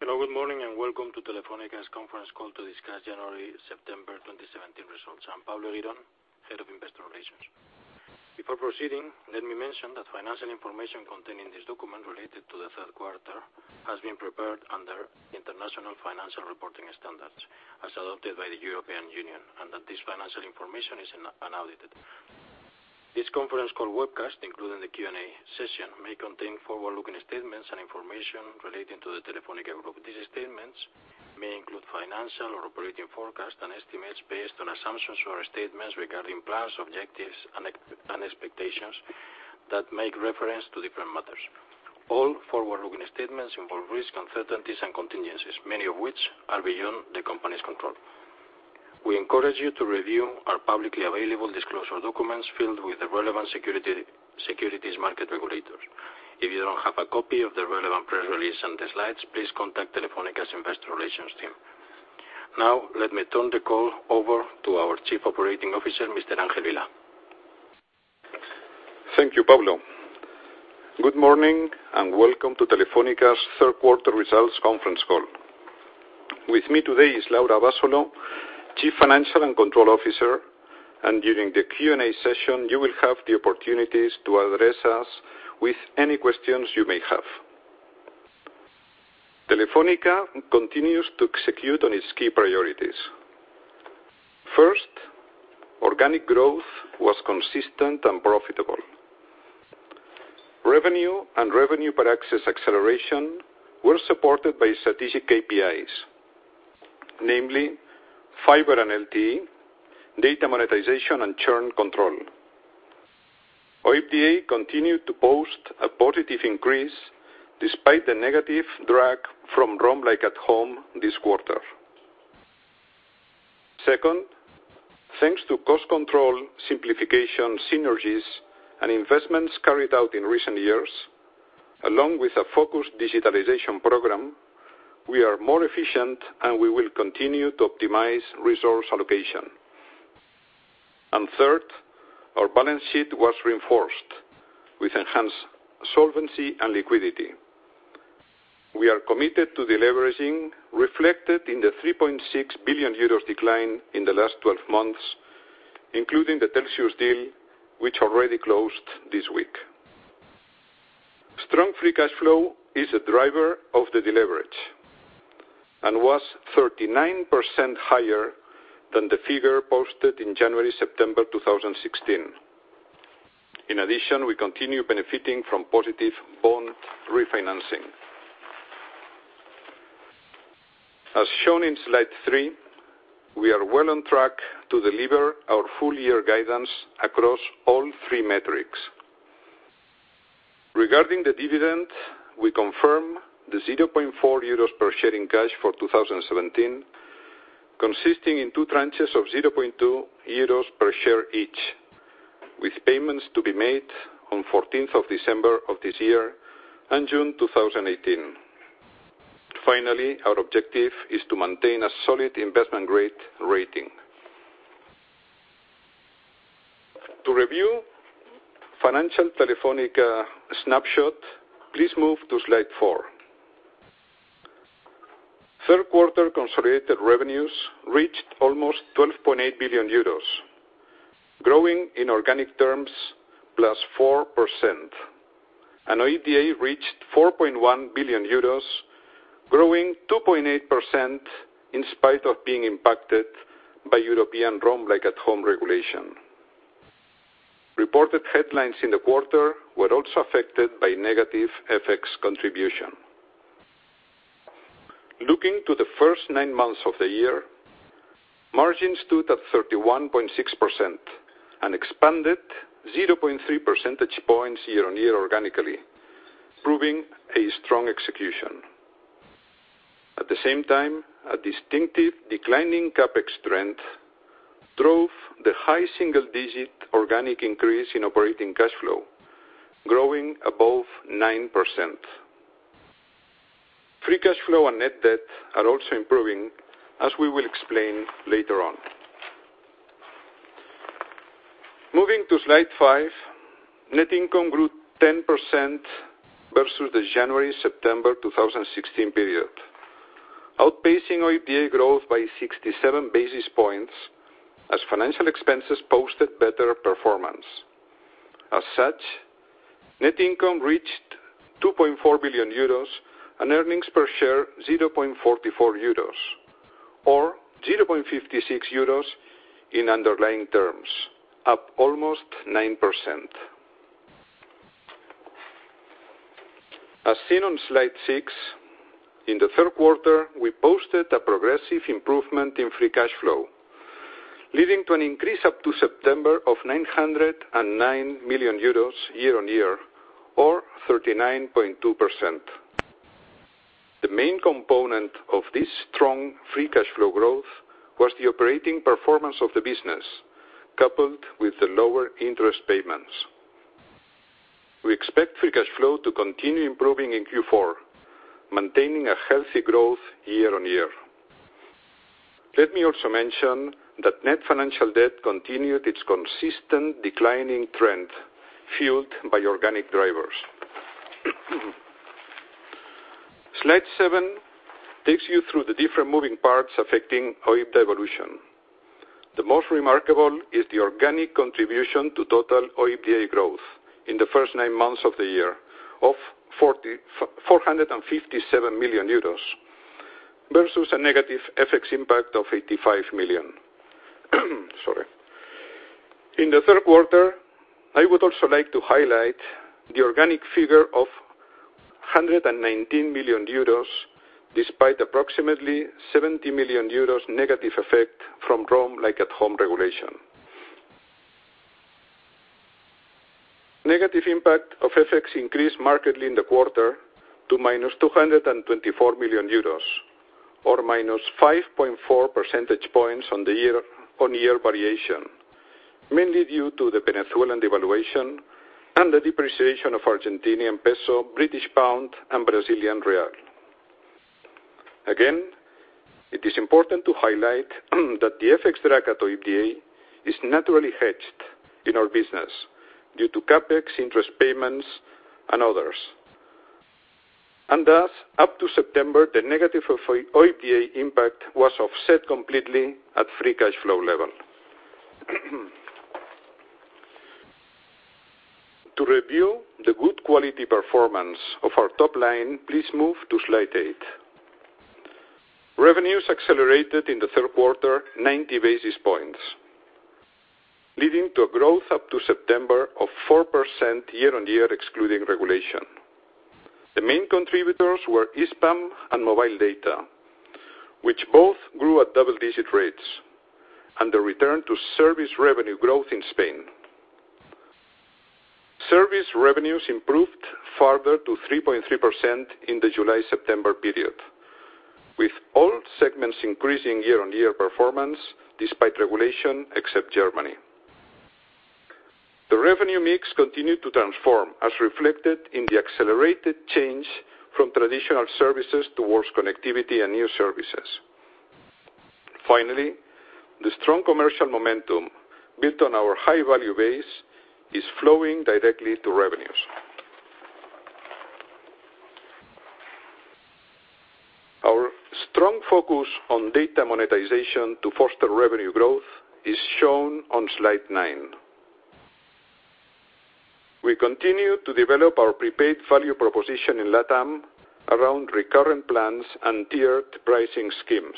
Hello, good morning, and welcome to Telefónica's conference call to discuss January to September 2017 results. I'm Pablo Eguirón, Head of Investor Relations. Before proceeding, let me mention that financial information containing this document related to the third quarter has been prepared under International Financial Reporting Standards as adopted by the European Union, and that this financial information is unaudited. This conference call webcast, including the Q&A session, may contain forward-looking statements and information relating to the Telefónica group. These statements may include financial or operating forecasts and estimates based on assumptions or statements regarding plans, objectives, and expectations that make reference to different matters. All forward-looking statements involve risks, uncertainties, and contingencies, many of which are beyond the company's control. We encourage you to review our publicly available disclosure documents filed with the relevant securities market regulators. If you don't have a copy of the relevant press release and the slides, please contact Telefónica's investor relations team. Now, let me turn the call over to our Chief Operating Officer, Mr. Ángel Vilá. Thank you, Pablo. Good morning, and welcome to Telefónica's third quarter results conference call. With me today is Laura Abasolo, Chief Financial and Control Officer, and during the Q&A session, you will have the opportunities to address us with any questions you may have. Telefónica continues to execute on its key priorities. First, organic growth was consistent and profitable. Revenue and revenue per access acceleration were supported by strategic KPIs, namely fiber and LTE, data monetization, and churn control. OIBDA continued to post a positive increase despite the negative drag from Roam like at Home this quarter. Second, thanks to cost control, simplification, synergies, and investments carried out in recent years, along with a focused digitalization program, we are more efficient, and we will continue to optimize resource allocation. Third, our balance sheet was reinforced with enhanced solvency and liquidity. We are committed to deleveraging, reflected in the 3.6 billion euros decline in the last 12 months, including the Telxius deal, which already closed this week. Strong free cash flow is a driver of the deleverage and was 39% higher than the figure posted in January to September 2016. In addition, we continue benefiting from positive bond refinancing. As shown in slide three, we are well on track to deliver our full year guidance across all three metrics. Regarding the dividend, we confirm the 0.4 euros per share in cash for 2017, consisting in two tranches of 0.2 euros per share each, with payments to be made on 14th of December of this year and June 2018. Finally, our objective is to maintain a solid investment-grade rating. To review financial Telefónica snapshot, please move to slide four. Third quarter consolidated revenues reached almost 12.8 billion euros, growing in organic terms plus 4%. OIBDA reached EUR 4.1 billion, growing 2.8% in spite of being impacted by European Roam like at Home regulation. Reported headlines in the quarter were also affected by negative FX contribution. Looking to the first nine months of the year, margin stood at 31.6% and expanded 0.3 percentage points year-on-year organically, proving a strong execution. At the same time, a distinctive declining CapEx trend drove the high single-digit organic increase in operating cash flow, growing above 9%. Free cash flow and net debt are also improving, as we will explain later on. Moving to slide five, net income grew 10% versus the January to September 2016 period, outpacing OIBDA growth by 67 basis points as financial expenses posted better performance. Net income reached 2.4 billion euros and earnings per share 0.44 euros, or 0.56 euros in underlying terms, up almost 9%. On slide six, in the third quarter, we posted a progressive improvement in free cash flow, leading to an increase up to September of 909 million euros year-on-year or 39.2%. The main component of this strong free cash flow growth was the operating performance of the business, coupled with the lower interest payments. We expect free cash flow to continue improving in Q4, maintaining a healthy growth year-on-year. Let me also mention that net financial debt continued its consistent declining trend fueled by organic drivers. Slide seven takes you through the different moving parts affecting OIBDA evolution. The most remarkable is the organic contribution to total OIBDA growth in the first nine months of the year of 457 million euros, versus a negative FX impact of 85 million. Sorry. In the third quarter, I would also like to highlight the organic figure of 119 million euros, despite approximately 70 million euros negative effect from Roam like at Home regulation. Negative impact of FX increased markedly in the quarter to minus 224 million euros, or minus 5.4 percentage points on year variation, mainly due to the Venezuelan devaluation and the depreciation of Argentinian peso, British pound, and Brazilian real. It is important to highlight that the FX drag at OIBDA is naturally hedged in our business due to CapEx interest payments and others. Thus, up to September, the negative OIBDA impact was offset completely at free cash flow level. To review the good quality performance of our top line, please move to slide eight. Revenues accelerated in the third quarter 90 basis points, leading to a growth up to September of 4% year-on-year excluding regulation. The main contributors were Spain and mobile data, which both grew at double-digit rates, and the return to service revenue growth in Spain. Service revenues improved further to 3.3% in the July-September period, with all segments increasing year-on-year performance despite regulation except Germany. The revenue mix continued to transform, as reflected in the accelerated change from traditional services towards connectivity and new services. The strong commercial momentum built on our high-value base is flowing directly to revenues. Our strong focus on data monetization to foster revenue growth is shown on slide nine. We continue to develop our prepaid value proposition in LATAM around recurrent plans and tiered pricing schemes.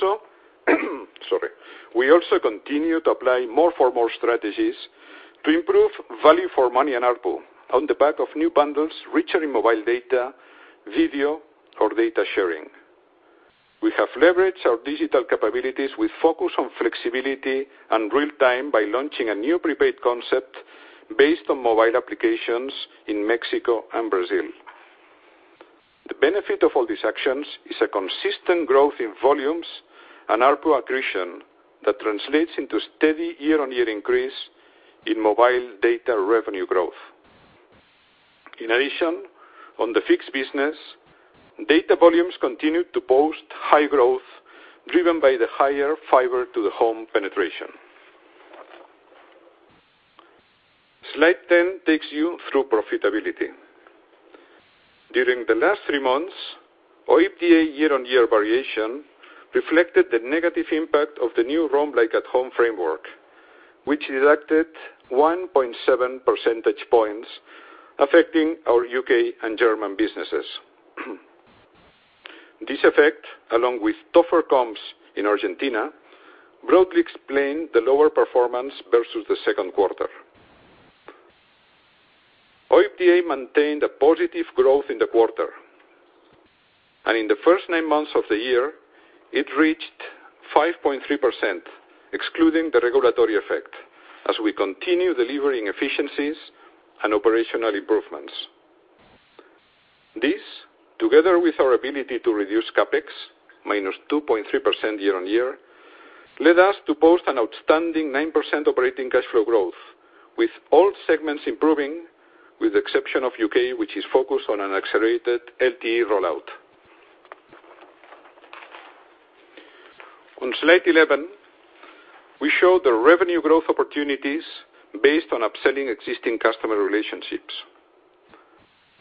Sorry. We also continue to apply more-for-more strategies to improve value for money and ARPU on the back of new bundles richer in mobile data, video, or data sharing. We have leveraged our digital capabilities with focus on flexibility and real-time by launching a new prepaid concept based on mobile applications in Mexico and Brazil. The benefit of all these actions is a consistent growth in volumes and ARPU accretion that translates into steady year-on-year increase in mobile data revenue growth. In addition, on the fixed business, data volumes continued to post high growth driven by the higher fiber to the home penetration. Slide 10 takes you through profitability. During the last three months, OIBDA year-on-year variation reflected the negative impact of the new roam like at home framework, which deducted 1.7 percentage points affecting our U.K. and German businesses. This effect, along with tougher comps in Argentina, broadly explain the lower performance versus the second quarter. OIBDA maintained a positive growth in the quarter. In the first nine months of the year, it reached 5.3%, excluding the regulatory effect, as we continue delivering efficiencies and operational improvements. This, together with our ability to reduce CapEx, minus 2.3% year-on-year, led us to post an outstanding 9% operating cash flow growth, with all segments improving, with the exception of U.K., which is focused on an accelerated LTE rollout. On slide 11, we show the revenue growth opportunities based on upselling existing customer relationships.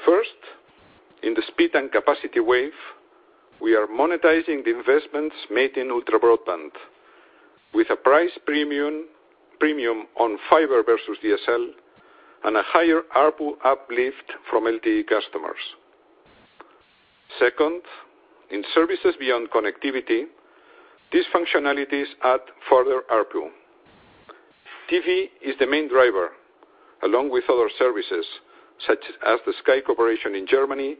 First, in the speed and capacity wave, we are monetizing the investments made in ultra-broadband, with a price premium on fiber versus DSL, and a higher ARPU uplift from LTE customers. Second, in services beyond connectivity, these functionalities add further ARPU. TV is the main driver, along with other services, such as the Sky Deutschland in Germany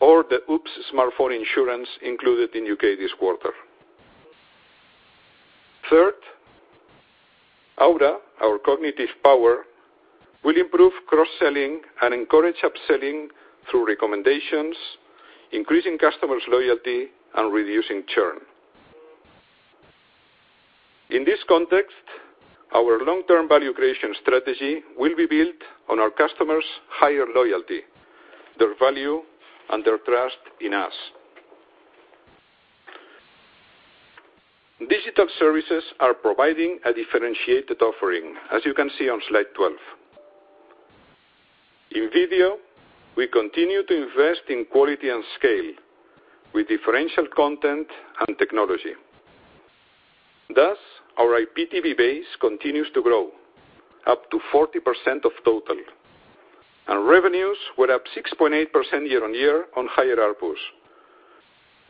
or the O2 Insure smartphone insurance included in U.K. this quarter. Third, Aura, our cognitive power, will improve cross-selling and encourage upselling through recommendations, increasing customers' loyalty and reducing churn. In this context, our long-term value creation strategy will be built on our customers' higher loyalty, their value, and their trust in us. Digital services are providing a differentiated offering, as you can see on slide 12. In video, we continue to invest in quality and scale with differential content and technology. Thus, our IPTV base continues to grow up to 40% of total, and revenues were up 6.8% year-on-year on higher ARPU.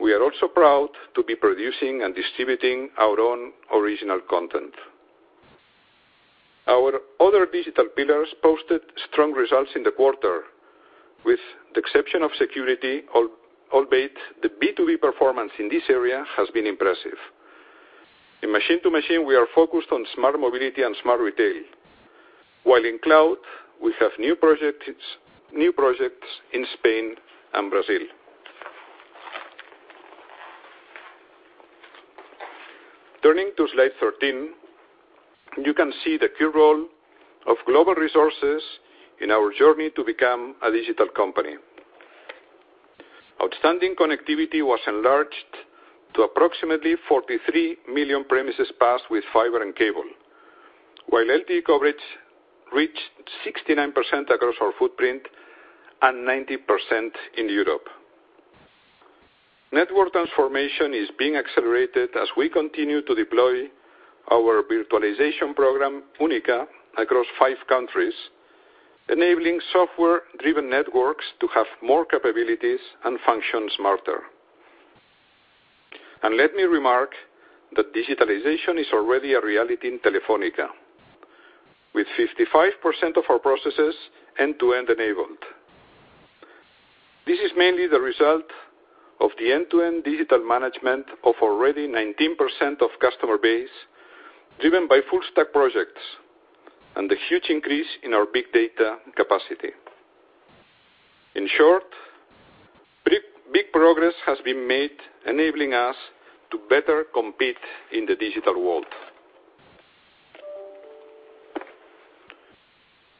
We are also proud to be producing and distributing our own original content. Our other digital pillars posted strong results in the quarter, with the exception of security, albeit the B2B performance in this area has been impressive. In machine to machine, we are focused on smart mobility and smart retail. While in cloud, we have new projects in Spain and Brazil. Turning to slide 13, you can see the key role of global resources in our journey to become a digital company. Outstanding connectivity was enlarged to approximately 43 million premises passed with fiber and cable. While LTE coverage reached 69% across our footprint and 90% in Europe. Network transformation is being accelerated as we continue to deploy our virtualization program, UNICA, across five countries, enabling software-driven networks to have more capabilities and function smarter. Let me remark that digitalization is already a reality in Telefónica, with 55% of our processes end-to-end enabled. This is mainly the result of the end-to-end digital management of already 19% of customer base driven by full stack projects and the huge increase in our big data capacity. In short, big progress has been made enabling us to better compete in the digital world.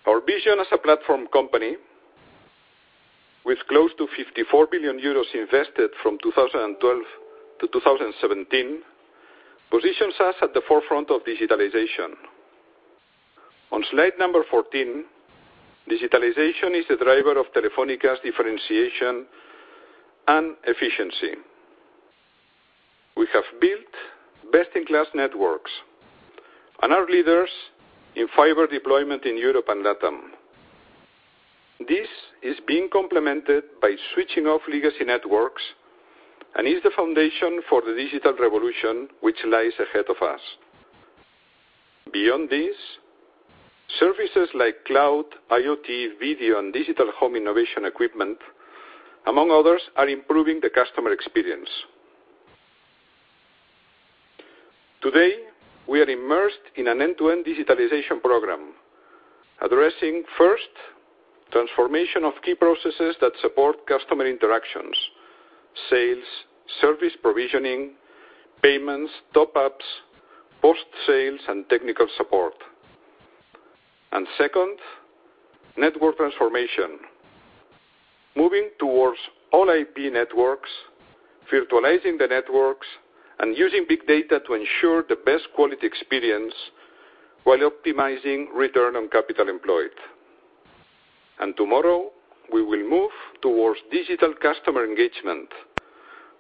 Our vision as a platform company with close to 54 billion euros invested from 2012 to 2017 positions us at the forefront of digitalization. On slide 14, digitalization is the driver of Telefónica's differentiation and efficiency. We have built best-in-class networks and are leaders in fiber deployment in Europe and LATAM. This is being complemented by switching off legacy networks and is the foundation for the digital revolution which lies ahead of us. Beyond this, services like cloud, IoT, video, and digital home innovation equipment, among others, are improving the customer experience. Today, we are immersed in an end-to-end digitalization program addressing first, transformation of key processes that support customer interactions: sales, service provisioning, payments, top-ups, post-sales, and technical support. Second, network transformation. Moving towards all IP networks, virtualizing the networks, and using big data to ensure the best quality experience while optimizing return on capital employed. Tomorrow, we will move towards digital customer engagement,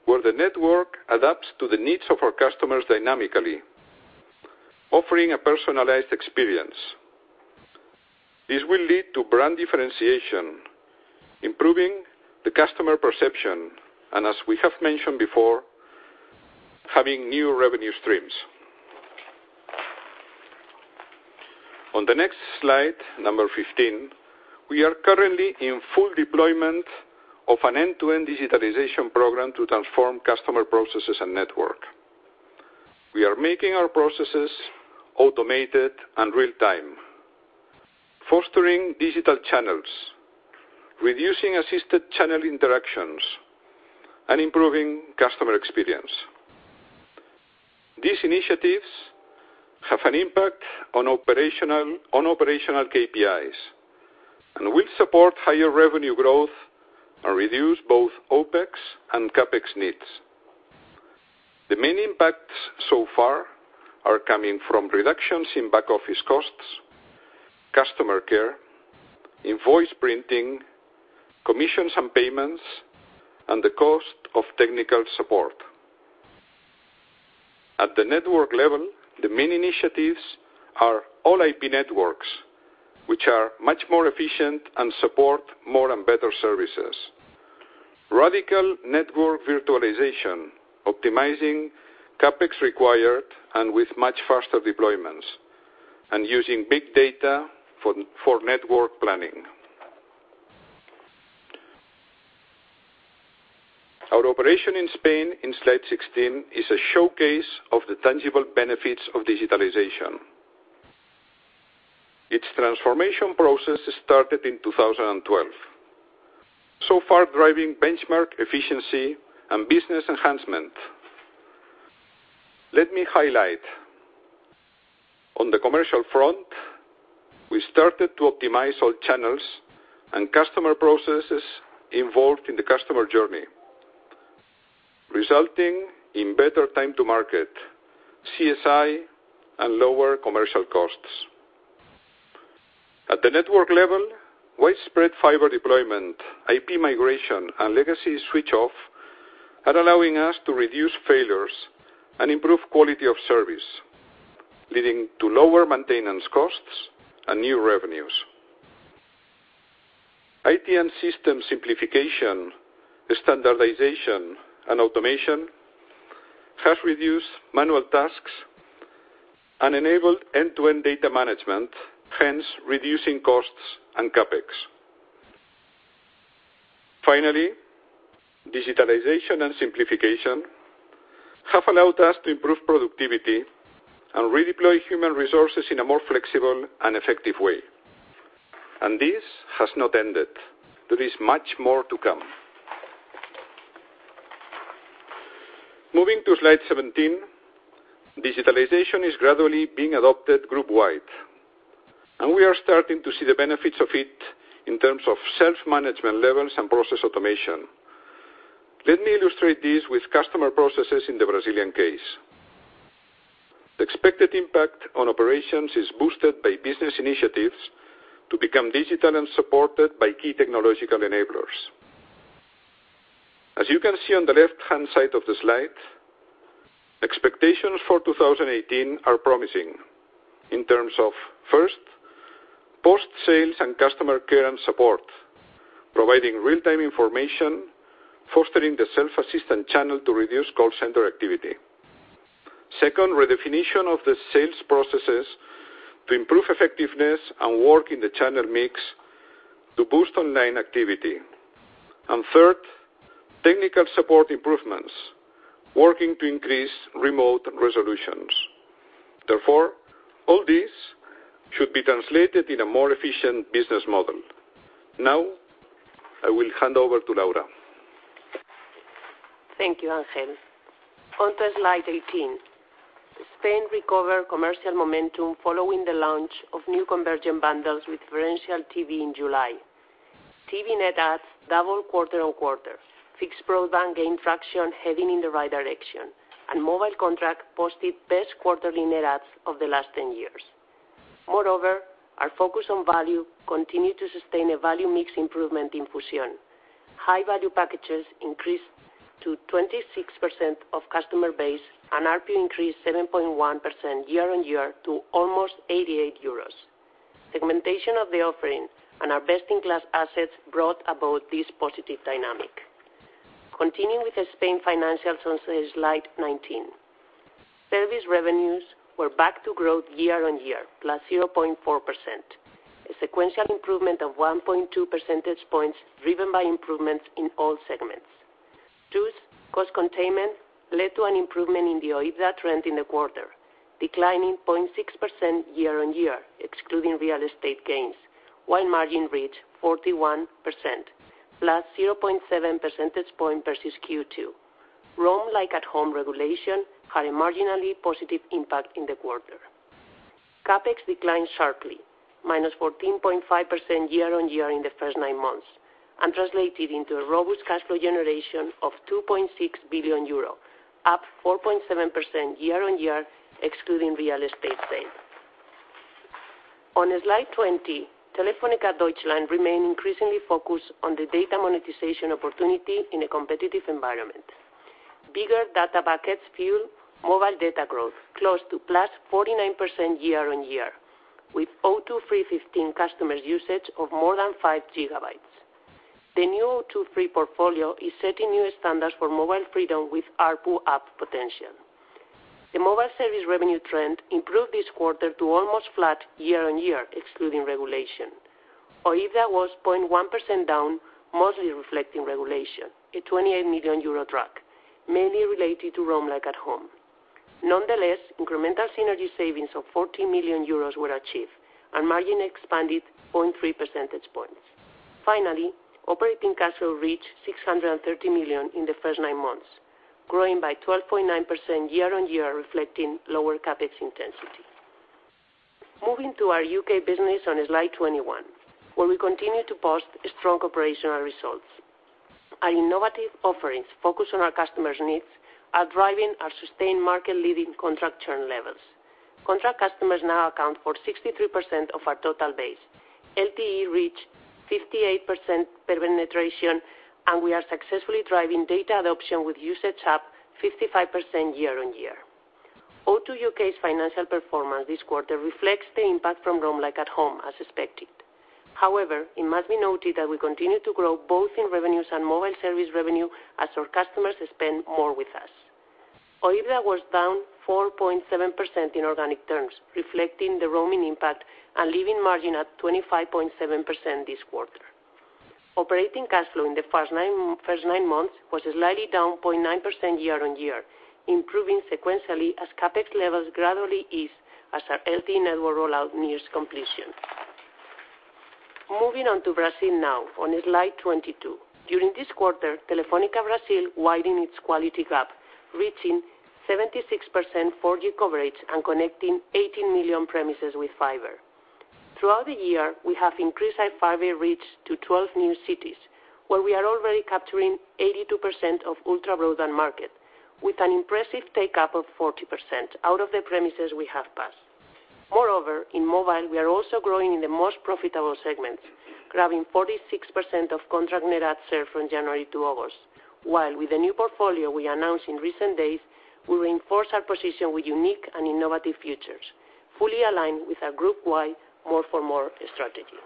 where the network adapts to the needs of our customers dynamically, offering a personalized experience. This will lead to brand differentiation, improving the customer perception, and as we have mentioned before, having new revenue streams. On the next slide 15, we are currently in full deployment of an end-to-end digitalization program to transform customer processes and network. We are making our processes automated and real time, fostering digital channels, reducing assisted channel interactions, and improving customer experience. These initiatives have an impact on operational KPIs and will support higher revenue growth and reduce both OpEx and CapEx needs. The main impacts so far are coming from reductions in back-office costs, customer care, invoice printing, commissions and payments, and the cost of technical support. At the network level, the main initiatives are all IP networks, which are much more efficient and support more and better services. Radical network virtualization, optimizing CapEx required and with much faster deployments, and using big data for network planning. Our operation in Spain in slide 16 is a showcase of the tangible benefits of digitalization. This transformation process started in 2012, so far driving benchmark efficiency and business enhancement. Let me highlight. On the commercial front, we started to optimize all channels and customer processes involved in the customer journey, resulting in better time to market, CSI, and lower commercial costs. At the network level, widespread fiber deployment, IP migration, and legacy switch off are allowing us to reduce failures and improve quality of service, leading to lower maintenance costs and new revenues. IT and system simplification, standardization, and automation have reduced manual tasks and enabled end-to-end data management, hence reducing costs and CapEx. Finally, digitalization and simplification have allowed us to improve productivity and redeploy human resources in a more flexible and effective way. This has not ended. There is much more to come. Moving to slide 17. Digitalization is gradually being adopted group-wide, and we are starting to see the benefits of it in terms of self-management levels and process automation. Let me illustrate this with customer processes in the Brazilian case. The expected impact on operations is boosted by business initiatives to become digital and supported by key technological enablers. As you can see on the left-hand side of the slide, expectations for 2018 are promising in terms of, first, post-sales and customer care and support, providing real-time information, fostering the self-assistant channel to reduce call center activity. Second, redefinition of the sales processes to improve effectiveness and work in the channel mix to boost online activity. Third, technical support improvements, working to increase remote resolutions. Therefore, all this should be translated in a more efficient business model. Now, I will hand over to Laura. Thank you, Ángel. On to slide 18. Spain recovered commercial momentum following the launch of new convergent bundles with differential TV in July. TV net adds double quarter-on-quarter. Fixed broadband gained fraction, heading in the right direction, and mobile contract posted best quarterly net adds of the last 10 years. Moreover, our focus on value continued to sustain a value mix improvement in Fusión. High-value packages increased to 26% of customer base, and ARPU increased 7.1% year-on-year to almost 88 euros. Segmentation of the offering and our best-in-class assets brought about this positive dynamic. Continuing with the Spain financials on slide 19. Service revenues were back to growth year-on-year, +0.4%. A sequential improvement of 1.2 percentage points driven by improvements in all segments. Cost containment led to an improvement in the OIBDA trend in the quarter, declining 0.6% year-on-year, excluding real estate gains, while margin reached 41%, +0.7 percentage point versus Q2. Roam like at Home regulation had a marginally positive impact in the quarter. CapEx declined sharply, -14.5% year-on-year in the first nine months and translated into a robust cash flow generation of 2.6 billion euro, up 4.7% year-on-year, excluding real estate sale. On slide 20, Telefónica Deutschland remain increasingly focused on the data monetization opportunity in a competitive environment. Bigger data buckets fuel mobile data growth, close to +49% year-on-year, with O2 Free 15 customer usage of more than 5 gigabytes. The new O2 Free portfolio is setting new standards for mobile freedom with ARPU up potential. The mobile service revenue trend improved this quarter to almost flat year-on-year, excluding regulation. OIBDA was 0.1% down, mostly reflecting regulation, a 28 million euro drop, mainly related to Roam like at Home. Nonetheless, incremental synergy savings of 14 million euros were achieved, and margin expanded 0.3 percentage points. Finally, operating cash flow reached 630 million in the first nine months, growing by 12.9% year-on-year, reflecting lower CapEx intensity. Moving to our U.K. business on slide 21, where we continue to post strong operational results. Our innovative offerings focused on our customers' needs are driving our sustained market-leading contract churn levels. Contract customers now account for 63% of our total base. LTE reached 58% penetration, and we are successfully driving data adoption with usage up 55% year-on-year. O2 U.K.'s financial performance this quarter reflects the impact from Roam like at Home, as expected. However, it must be noted that we continue to grow both in revenues and mobile service revenue as our customers spend more with us. OIBDA was down 4.7% in organic terms, reflecting the roaming impact and leaving margin at 25.7% this quarter. Operating cash flow in the first nine months was slightly down 0.9% year-on-year, improving sequentially as CapEx levels gradually ease as our LTE network rollout nears completion. Moving on to Brazil now, on slide 22. During this quarter, Telefônica Brasil widened its quality gap, reaching 76% 4G coverage and connecting 18 million premises with fiber. Throughout the year, we have increased our fiber reach to 12 new cities, where we are already capturing 82% of ultra-broadband market with an impressive take-up of 40% out of the premises we have passed. In mobile, we are also growing in the most profitable segments, grabbing 46% of contract net adds since January to August. While with the new portfolio we announced in recent days, we reinforce our position with unique and innovative features, fully aligned with our group-wide More for More strategy.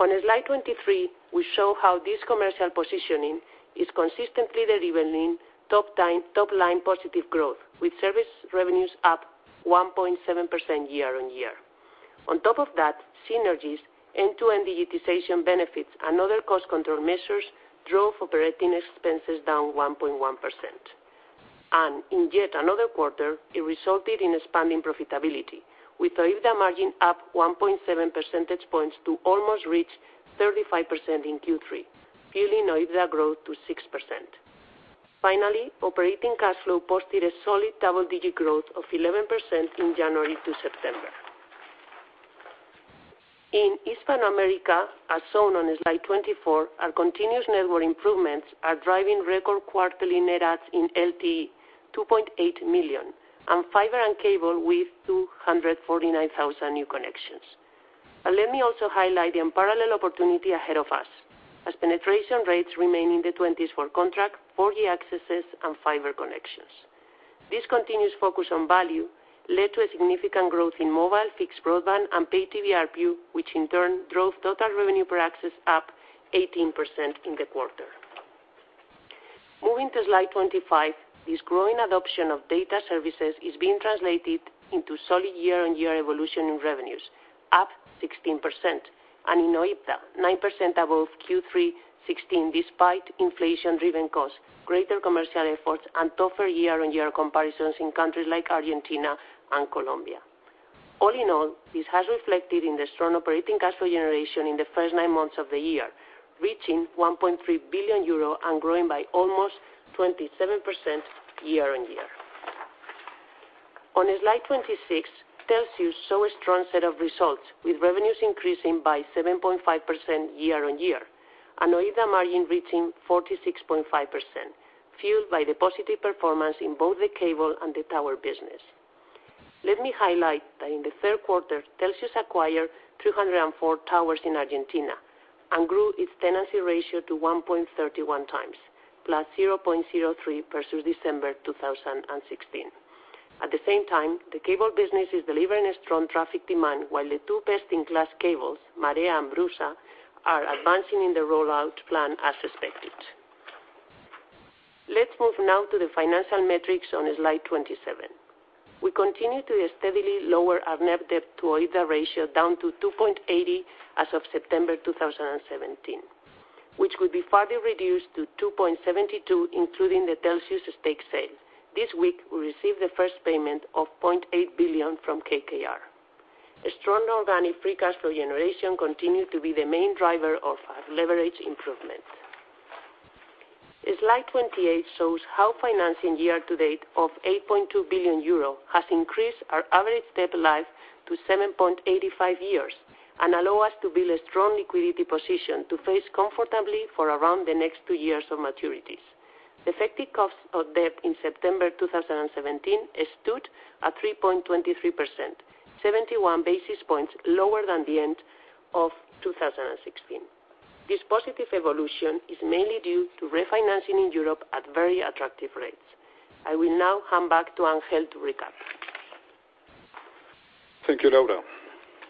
On slide 23, we show how this commercial positioning is consistently delivering top-line positive growth, with service revenues up 1.7% year-on-year. On top of that, synergies, end-to-end digitization benefits, and other cost control measures drove operating expenses down 1.1%. In yet another quarter, it resulted in expanding profitability, with OIBDA margin up 1.7 percentage points to almost reach 35% in Q3, fueling OIBDA growth to 6%. Finally, operating cash flow posted a solid double-digit growth of 11% from January to September. In Hispanoamerica, as shown on slide 24, our continuous network improvements are driving record quarterly net adds in LTE, 2.8 million, and fiber and cable with 249,000 new connections. Let me also highlight the unparalleled opportunity ahead of us, as penetration rates remain in the 20s for contract 4G accesses and fiber connections. This continuous focus on value led to a significant growth in mobile, fixed broadband, and pay TV ARPU, which in turn drove total revenue per access up 18% in the quarter. Moving to slide 25. This growing adoption of data services is being translated into solid year-on-year evolution in revenues, up 16%, and in OIBDA, 9% above Q3 2016, despite inflation-driven costs, greater commercial efforts, and tougher year-on-year comparisons in countries like Argentina and Colombia. This has reflected in the strong operating cash flow generation in the first nine months of the year, reaching 1.3 billion euro and growing by almost 27% year-on-year. On slide 26, Telxius saw a strong set of results, with revenues increasing by 7.5% year-on-year and OIBDA margin reaching 46.5%, fueled by the positive performance in both the cable and the tower business. Let me highlight that in the third quarter, Telxius acquired 304 towers in Argentina and grew its tenancy ratio to 1.31 times, plus 0.03 versus December 2016. At the same time, the cable business is delivering a strong traffic demand, while the two best-in-class cables, Marea and BRUSA, are advancing in the rollout plan as expected. Let's move now to the financial metrics on slide 27. We continue to steadily lower our net debt to OIBDA ratio down to 2.80 as of September 2017, which will be farther reduced to 2.72 including the Telxius stake sale. This week, we received the first payment of EUR 0.8 billion from KKR. A strong organic free cash flow generation continued to be the main driver of our leverage improvements. Slide 28 shows how financing year to date of 8.2 billion euro has increased our average debt life to 7.85 years and allow us to build a strong liquidity position to face comfortably for around the next two years of maturities. Effective cost of debt in September 2017 stood at 3.23%, 71 basis points lower than the end of 2016. This positive evolution is mainly due to refinancing in Europe at very attractive rates. I will now hand back to Ángel to recap. Thank you, Laura.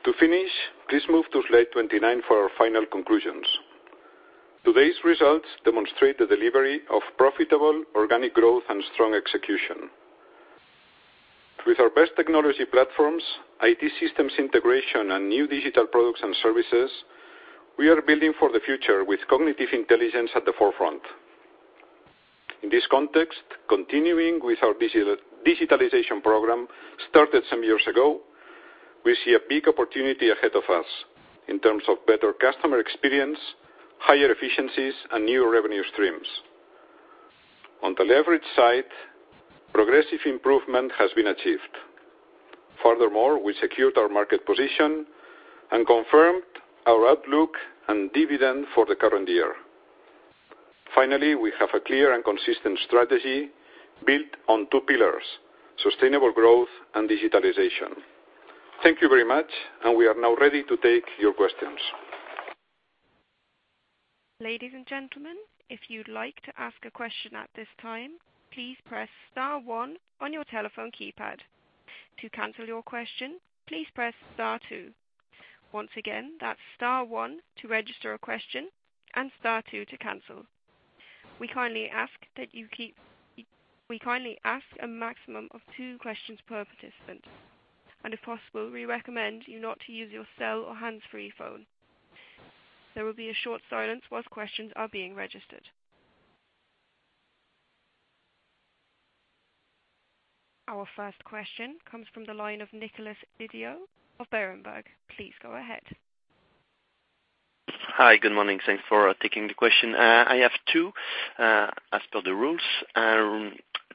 To finish, please move to slide 29 for our final conclusions. Today's results demonstrate the delivery of profitable organic growth and strong execution. With our best technology platforms, IT systems integration, and new digital products and services, we are building for the future with cognitive intelligence at the forefront. In this context, continuing with our digitalization program started some years ago, we see a big opportunity ahead of us in terms of better customer experience, higher efficiencies, and new revenue streams. On the leverage side, progressive improvement has been achieved. Furthermore, we secured our market position and confirmed our outlook and dividend for the current year. Finally, we have a clear and consistent strategy built on two pillars: sustainable growth and digitalization. We are now ready to take your questions. Ladies and gentlemen, if you'd like to ask a question at this time, please press *1 on your telephone keypad. To cancel your question, please press *2. Once again, that's *1 to register a question and *2 to cancel. We kindly ask a maximum of two questions per participant, and if possible, we recommend you not to use your cell or hands-free phone. There will be a short silence whilst questions are being registered. Our first question comes from the line of Nicholas Lyall of Berenberg. Please go ahead. Hi. Good morning. Thanks for taking the question. I have two, as per the rules.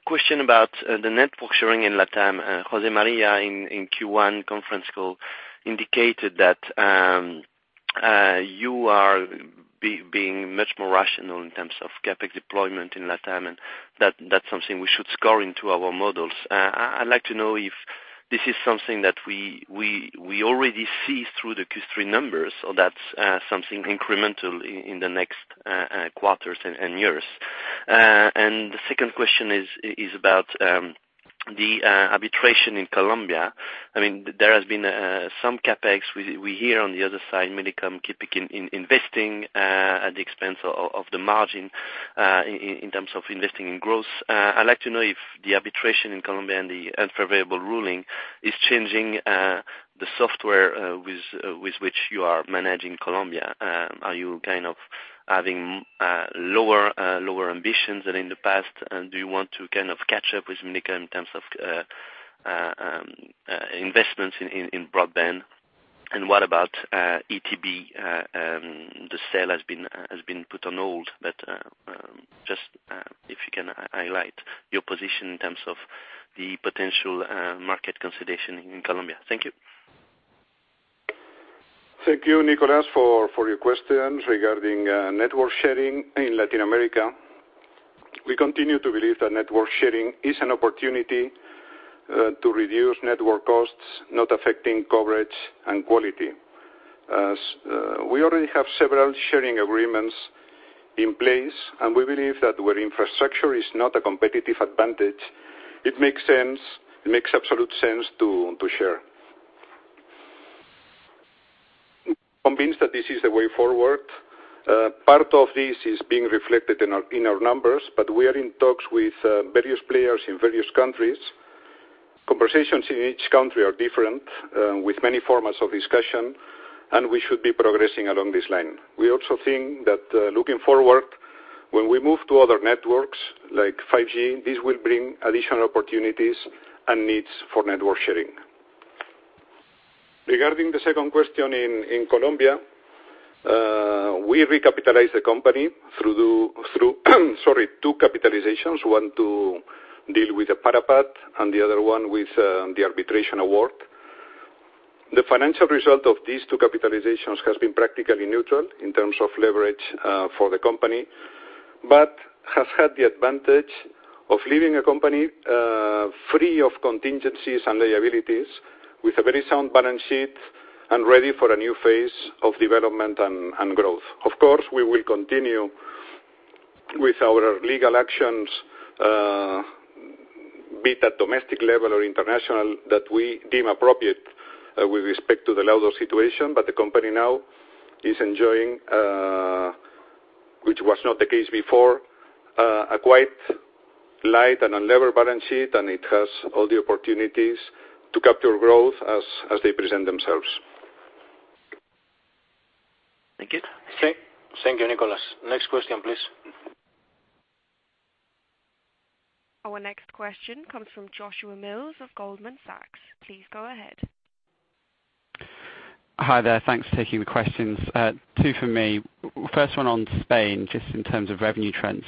Question about the network sharing in Latam. José María, in Q1 conference call indicated that you are being much more rational in terms of CapEx deployment in Latam, and that's something we should score into our models. I'd like to know if this is something that we already see through the Q3 numbers, or that's something incremental in the next quarters and years. The second question is about the arbitration in Colombia. There has been some CapEx. We hear on the other side, Millicom keeping in investing at the expense of the margin, in terms of investing in growth. I'd like to know if the arbitration in Colombia and the unfavorable ruling is changing the software with which you are managing Colombia. Are you adding lower ambitions than in the past? Do you want to catch up with Millicom in terms of investments in broadband? What about ETB? The sale has been put on hold. Just if you can highlight your position in terms of the potential market consolidation in Colombia. Thank you. Thank you, Nicholas, for your questions regarding network sharing in Latin America. We continue to believe that network sharing is an opportunity to reduce network costs, not affecting coverage and quality. We already have several sharing agreements in place, and we believe that where infrastructure is not a competitive advantage, it makes absolute sense to share. Convinced that this is the way forward. Part of this is being reflected in our numbers, but we are in talks with various players in various countries. Conversations in each country are different, with many formats of discussion, and we should be progressing along this line. We also think that looking forward, when we move to other networks like 5G, this will bring additional opportunities and needs for network sharing. Regarding the second question in Colombia, we recapitalized the company through two capitalizations, one to deal with the Parapat, and the other one with the arbitration award. The financial result of these two capitalizations has been practically neutral in terms of leverage for the company, but has had the advantage of leaving a company free of contingencies and liabilities, with a very sound balance sheet and ready for a new phase of development and growth. Of course, we will continue with our legal actions, be it at domestic level or international, that we deem appropriate with respect to the Laudo situation, but the company now is enjoying, which was not the case before, a quite light and unlevered balance sheet, and it has all the opportunities to capture growth as they present themselves. Thank you. Thank you, Nicholas. Next question, please. Our next question comes from Joshua Mills of Goldman Sachs. Please go ahead. Hi there. Thanks for taking the questions. Two for me. First one on Spain, just in terms of revenue trends.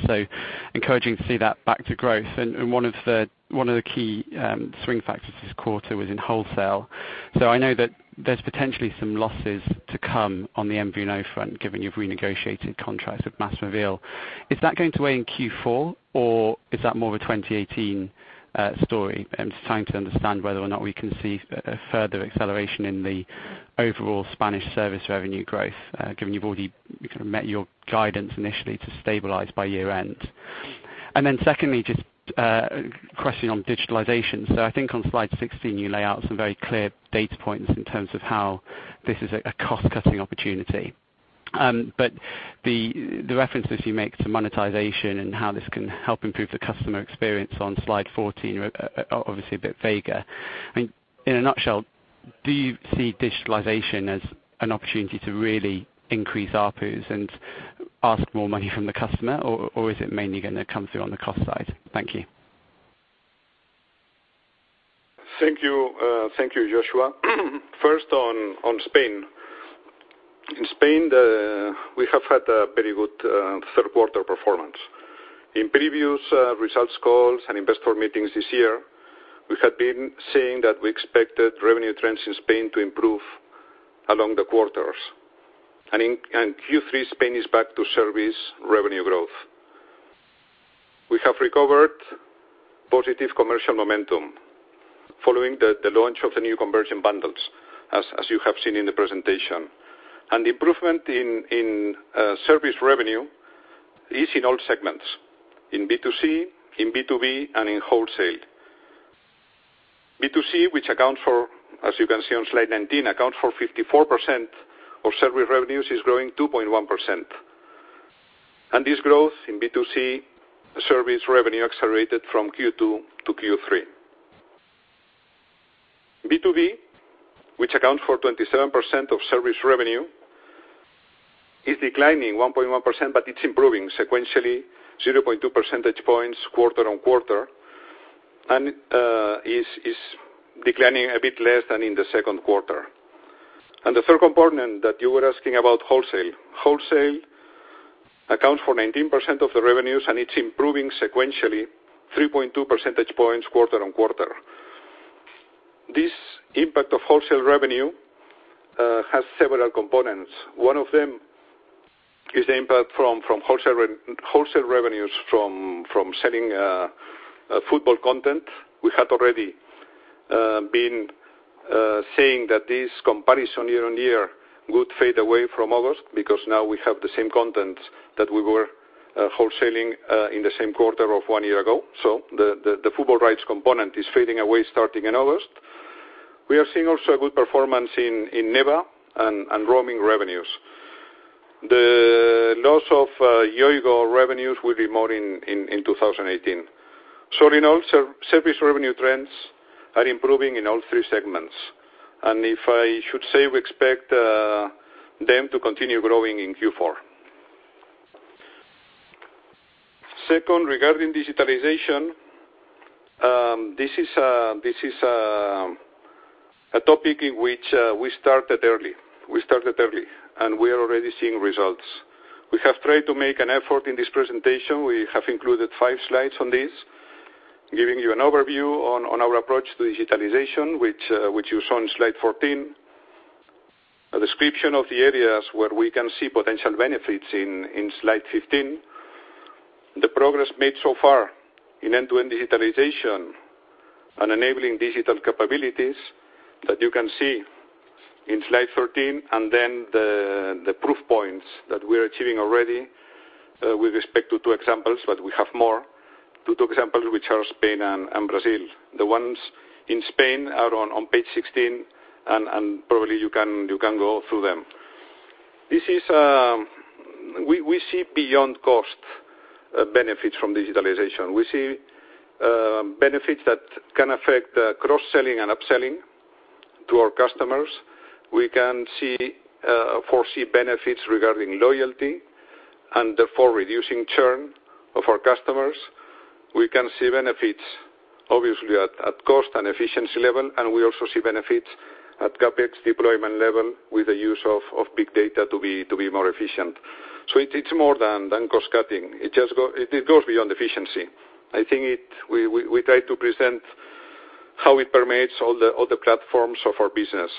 Encouraging to see that back to growth, one of the key swing factors this quarter was in wholesale. I know that there's potentially some losses to come on the MVNO front, given you've renegotiated contracts with MásMóvil. Is that going to weigh in Q4 or is that more of a 2018 story? I'm just trying to understand whether or not we can see a further acceleration in the overall Spanish service revenue growth, given you've already met your guidance initially to stabilize by year-end. Secondly, just a question on digitalization. I think on slide 16, you lay out some very clear data points in terms of how this is a cost-cutting opportunity. The references you make to monetization and how this can help improve the customer experience on slide 14 are obviously a bit vaguer. In a nutshell, do you see digitalization as an opportunity to really increase ARPU and ask more money from the customer, or is it mainly going to come through on the cost side? Thank you. Thank you, Joshua. First on Spain. In Spain, we have had a very good third quarter performance. In previous results calls and investor meetings this year, we had been saying that we expected revenue trends in Spain to improve along the quarters. In Q3, Spain is back to service revenue growth. We have recovered positive commercial momentum following the launch of the new convergent bundles, as you have seen in the presentation. Improvement in service revenue is in all segments, in B2C, in B2B, and in wholesale. B2C, which, as you can see on slide 19, accounts for 54% of service revenues, is growing 2.1%. This growth in B2C service revenue accelerated from Q2 to Q3. B2B, which accounts for 27% of service revenue, is declining 1.1%, but it's improving sequentially 0.2 percentage points quarter-on-quarter, and is declining a bit less than in the second quarter. The third component that you were asking about, wholesale. Wholesale accounts for 19% of the revenues, and it's improving sequentially 3.2 percentage points quarter-on-quarter. This impact of wholesale revenue has several components. One of them is the impact from wholesale revenues from selling football content. We had already been saying that this comparison year-on-year would fade away from August, because now we have the same content that we were wholesaling in the same quarter of one year ago. The football rights component is fading away starting in August. We are seeing also a good performance in NEBA and roaming revenues. The loss of Yoigo revenues will be more in 2018. In all, service revenue trends are improving in all three segments. If I should say, we expect them to continue growing in Q4. Second, regarding digitalization. This is a topic in which we started early, and we are already seeing results. We have tried to make an effort in this presentation. We have included five slides on this, giving you an overview on our approach to digitalization, which you saw on slide 14. A description of the areas where we can see potential benefits in slide 15. The progress made so far in end-to-end digitalization and enabling digital capabilities that you can see in slide 13, and then the proof points that we're achieving already with respect to two examples, but we have more. Two examples, which are Spain and Brazil. The ones in Spain are on page 16, and probably you can go through them. We see beyond cost benefits from digitalization. We see benefits that can affect cross-selling and upselling to our customers. We can foresee benefits regarding loyalty and therefore reducing churn of our customers. We can see benefits, obviously, at cost and efficiency level, and we also see benefits at CapEx deployment level with the use of big data to be more efficient. It's more than cost cutting. It goes beyond efficiency. I think we try to present how it permeates all the platforms of our business.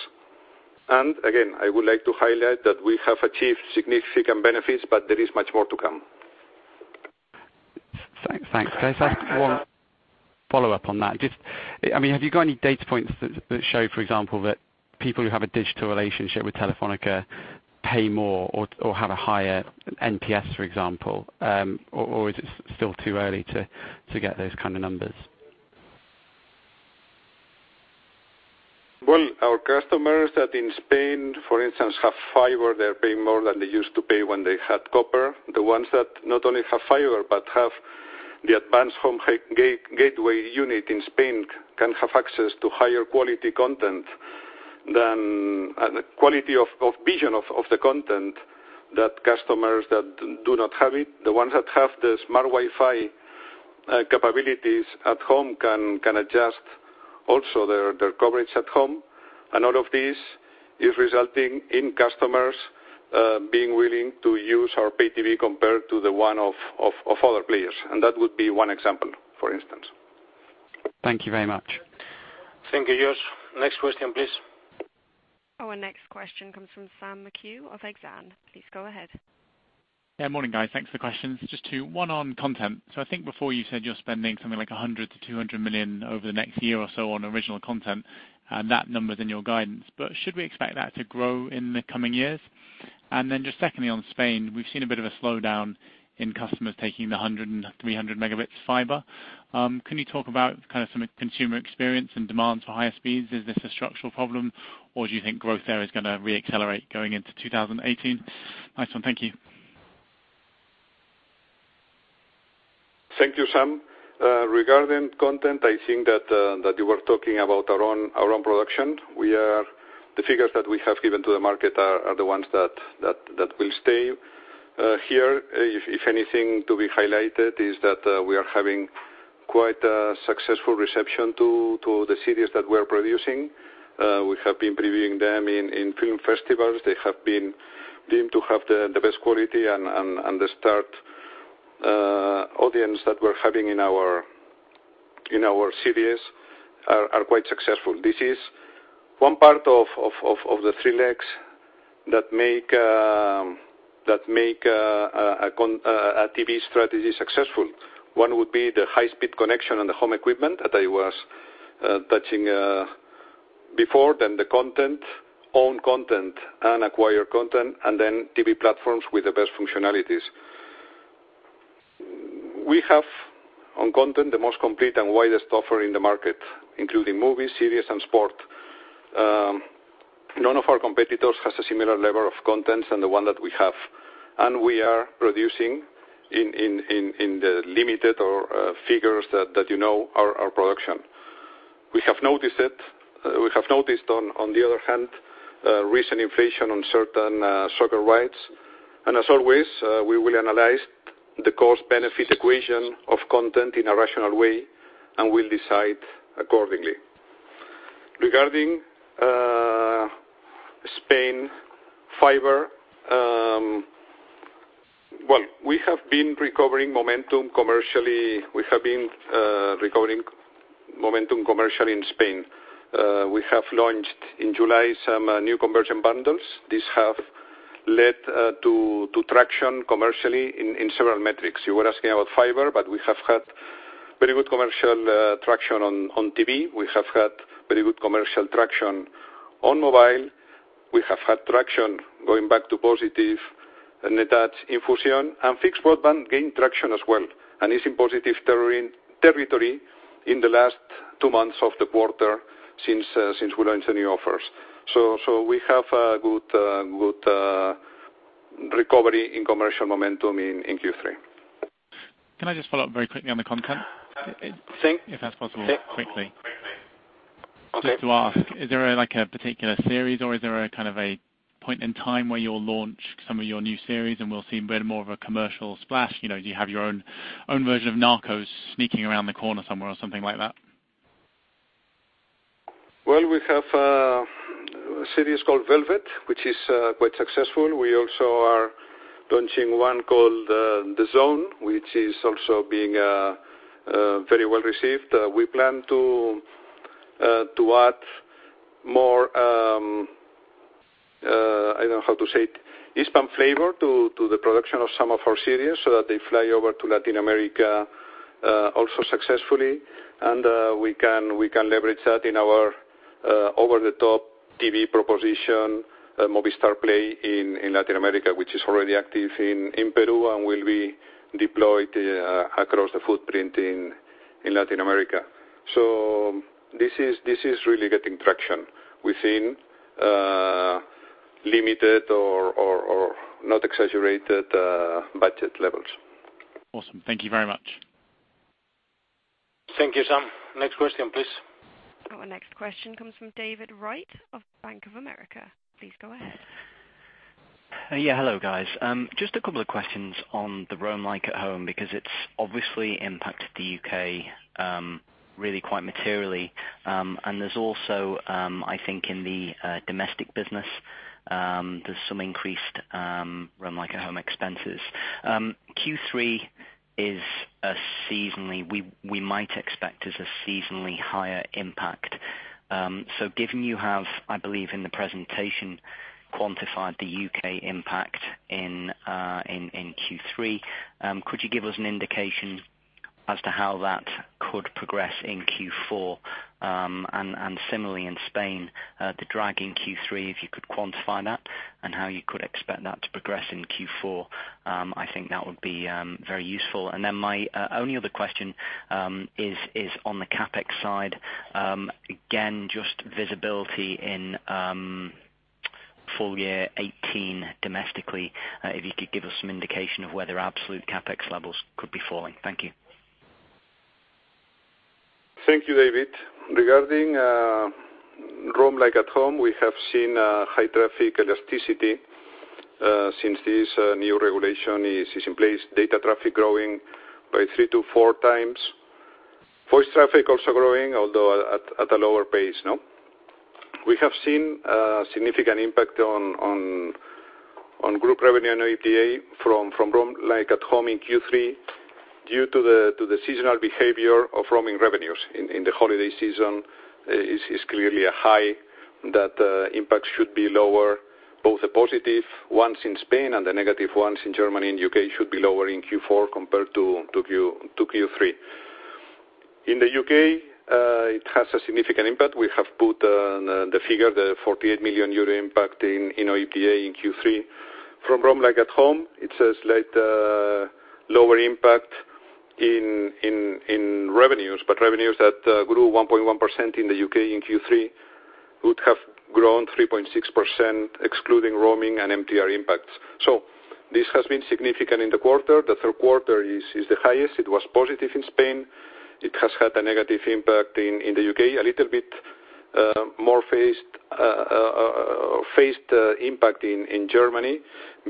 Again, I would like to highlight that we have achieved significant benefits, but there is much more to come. Thanks. Can I just ask one follow-up on that? Have you got any data points that show, for example, that people who have a digital relationship with Telefónica pay more or have a higher NPS, for example? Is it still too early to get those kind of numbers? Well, our customers that in Spain, for instance, have fiber, they're paying more than they used to pay when they had copper. The ones that not only have fiber, but have the advanced home gateway unit in Spain, can have access to higher quality content than the quality of vision of the content that customers that do not have it. The ones that have the smart Wi-Fi capabilities at home can adjust also their coverage at home. All of this is resulting in customers being willing to use our pay TV compared to the one of other players. That would be one example, for instance. Thank you very much. Thank you, Josh. Next question, please. Our next question comes from Sam McHugh of Exane. Please go ahead. Morning, guys. Thanks for the questions. Just two, one on content. I think before you said you're spending something like 100 million-200 million over the next year or so on original content, and that number's in your guidance. Should we expect that to grow in the coming years? Just secondly, on Spain, we've seen a bit of a slowdown in customers taking the 100 and 300 megabits fiber. Can you talk about some consumer experience and demand for higher speeds? Is this a structural problem, or do you think growth there is going to re-accelerate going into 2018? Nice one. Thank you. Thank you, Sam. Regarding content, I think that you were talking about our own production. The figures that we have given to the market are the ones that will stay. Here, if anything to be highlighted, is that we are having quite a successful reception to the series that we're producing. We have been previewing them in film festivals. They have been deemed to have the best quality, and the start audience that we're having in our series are quite successful. This is one part of the three legs that make a TV strategy successful. One would be the high-speed connection and the home equipment that I was touching before. The content, own content, and acquired content, and then TV platforms with the best functionalities. We have, on content, the most complete and widest offering in the market, including movies, series, and sport. None of our competitors has a similar level of content than the one that we have. We are producing in the limited our figures that you know our production. We have noticed on the other hand, recent inflation on certain soccer rights. As always, we will analyze the cost-benefit equation of content in a rational way, and we'll decide accordingly. Regarding Spain fiber, we have been recovering momentum commercially in Spain. We have launched in July some new convergent bundles. These have led to traction commercially in several metrics. You were asking about fiber, but we have had very good commercial traction on TV. We have had very good commercial traction on mobile. We have had traction going back to positive net add in Fusión, and fixed broadband gained traction as well and is in positive territory in the last two months of the quarter since we launched the new offers. We have a good recovery in commercial momentum in Q3. Can I just follow up very quickly on the content? Sure. If that's possible, quickly. Just to ask, is there a particular series, or is there a point in time where you'll launch some of your new series, and we'll see a bit more of a commercial splash? Do you have your own version of "Narcos" sneaking around the corner somewhere or something like that? We have a series called "Velvet," which is quite successful. We also are launching one called "La Zona," which is also being very well-received. We plan to add more, I don't know how to say it, Hispanic flavor to the production of some of our series so that they fly over to Latin America, also successfully. We can leverage that in our over-the-top TV proposition, Movistar Play in Latin America, which is already active in Peru and will be deployed across the footprint in Latin America. This is really getting traction within limited or not exaggerated budget levels. Awesome. Thank you very much. Thank you, Sam. Next question, please. Our next question comes from David Wright of Bank of America. Please go ahead. Hello, guys. Just a couple of questions on the roam like at home, because it's obviously impacted the U.K. really quite materially. There's also, I think in the domestic business, there's some increased roam like at home expenses. Q3, we might expect, is a seasonally higher impact. Given you have, I believe in the presentation, quantified the U.K. impact in Q3, could you give us an indication as to how that could progress in Q4? Similarly in Spain, the drag in Q3, if you could quantify that and how you could expect that to progress in Q4. I think that would be very useful. My only other question is on the CapEx side. Again, just visibility in full year 2018 domestically. If you could give us some indication of whether absolute CapEx levels could be falling. Thank you. Thank you, David. Regarding roam like at home, we have seen high traffic elasticity since this new regulation is in place. Data traffic growing by three to four times. Voice traffic also growing, although at a lower pace. We have seen a significant impact on group revenue and OIBDA from roam like at home in Q3, due to the seasonal behavior of roaming revenues in the holiday season is clearly a high, that impact should be lower. Both the positive ones in Spain and the negative ones in Germany and U.K. should be lower in Q4 compared to Q3. In the U.K., it has a significant impact. We have put the figure, the 48 million euro impact in OIBDA in Q3. From roam like at home, it's a slight lower impact in revenues. Revenues that grew 1.1% in the U.K. in Q3 would have grown 3.6%, excluding roaming and MTR impacts. This has been significant in the quarter. The third quarter is the highest. It was positive in Spain. It has had a negative impact in the U.K., a little bit more phased impact in Germany,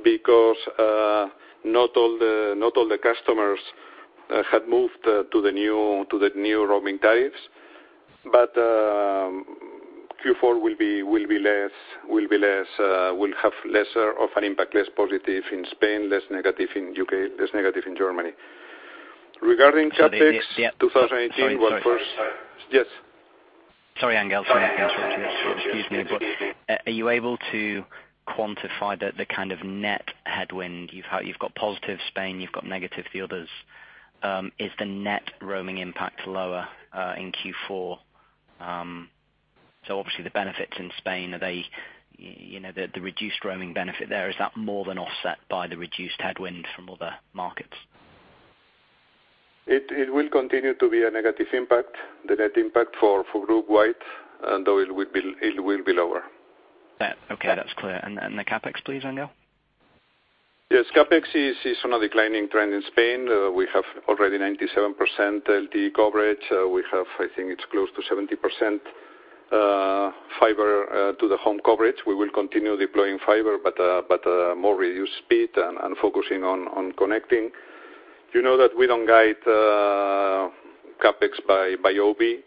because not all the customers had moved to the new roaming tariffs. Q4 will have lesser of an impact. Less positive in Spain, less negative in Germany. Regarding CapEx 2018. Sorry. Yes. Sorry, Ángel. Excuse me. Are you able to quantify the net headwind? You've got positive Spain, you've got negative the others. Is the net roaming impact lower in Q4? Obviously, the benefits in Spain, the reduced roaming benefit there, is that more than offset by the reduced headwind from other markets? It will continue to be a negative impact, the net impact for group wide, and though it will be lower. Yeah. Okay. That's clear. The CapEx, please, Ángel? Yes. CapEx is on a declining trend in Spain. We have already 97% LTE coverage. We have, I think it's close to 70% fiber-to-the-home coverage. We will continue deploying fiber, but more reduced speed and focusing on connecting. You know that we don't guide CapEx by OIB,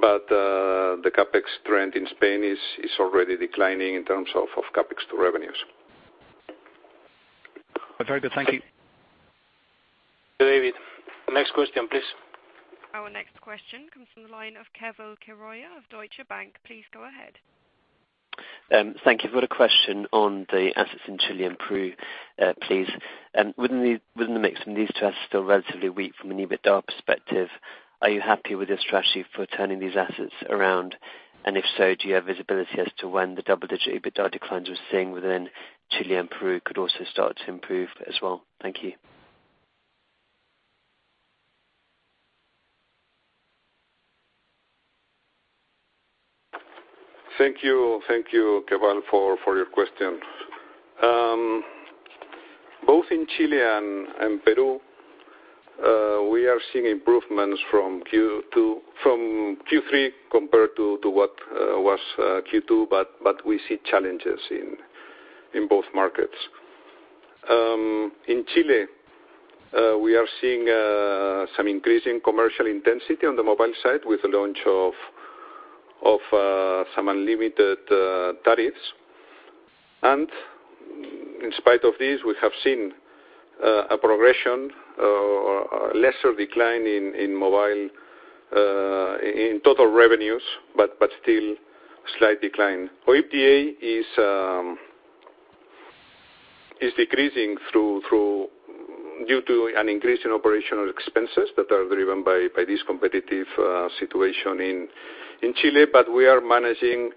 but the CapEx trend in Spain is already declining in terms of CapEx to revenues. Very good. Thank you. David. Next question, please. Our next question comes from the line of Keval Khiroya of Deutsche Bank. Please go ahead. Thank you. I've got a question on the assets in Chile and Peru, please. Within the mix from these two assets still relatively weak from an EBITDA perspective, are you happy with your strategy for turning these assets around? If so, do you have visibility as to when the double-digit EBITDA declines we're seeing within Chile and Peru could also start to improve as well? Thank you. Thank you, Keval, for your question. Both in Chile and Peru, we are seeing improvements from Q3 compared to what was Q2. We see challenges in both markets. In Chile, we are seeing some increase in commercial intensity on the mobile side with the launch of some unlimited tariffs. In spite of this, we have seen a progression or a lesser decline in mobile, in total revenues, but still a slight decline. OIBDA is decreasing due to an increase in operational expenses that are driven by this competitive situation in Chile, but we are managing